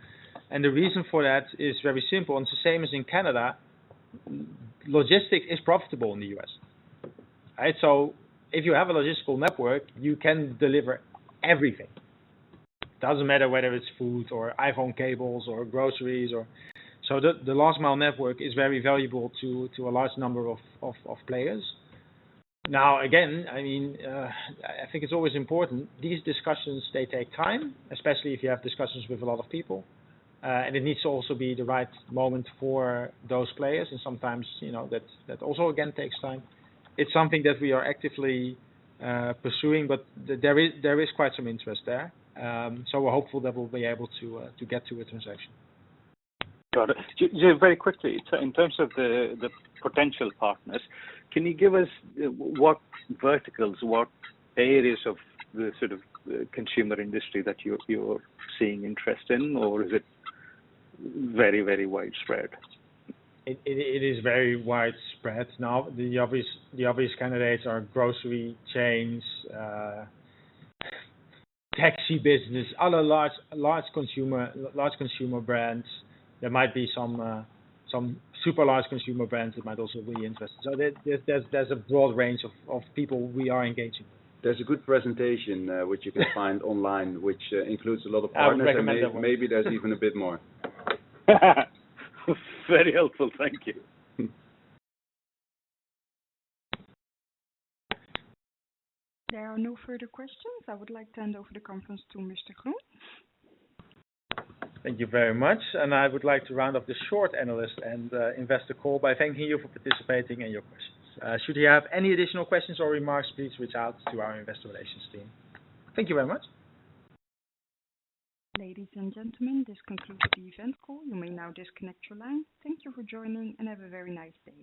B: The reason for that is very simple, and it's the same as in Canada. Logistics is profitable in the U.S. Right? If you have a logistical network, you can deliver everything. It doesn't matter whether it's food or iPhone cables or groceries. The last mile network is very valuable to a large number of players. Now, again, I mean, I think it's always important, these discussions, they take time, especially if you have discussions with a lot of people. It needs to also be the right moment for those players. Sometimes, you know, that also again takes time. It's something that we are actively pursuing, but there is quite some interest there. We're hopeful that we'll be able to get to a transaction.
R: Got it. Just very quickly, in terms of the potential partners, can you give us what verticals, what areas of the sort of consumer industry that you're seeing interest in, or is it very widespread?
B: It is very widespread. Now, the obvious candidates are grocery chains, taxi business, other large consumer brands. There might be some super large consumer brands that might also be interested. There's a broad range of people we are engaging. There's a good presentation which you can find online, which includes a lot of partners.
R: I recommend that one.
B: Maybe there's even a bit more.
R: Very helpful. Thank you.
A: There are no further questions. I would like to hand over the conference to Mr. Groen.
B: Thank you very much. I would like to round up this short analyst and investor call by thanking you for participating and your questions. Should you have any additional questions or remarks, please reach out to our investor relations team. Thank you very much.
A: Ladies and gentlemen, this concludes the event call. You may now disconnect your line. Thank you for joining, and have a very nice day.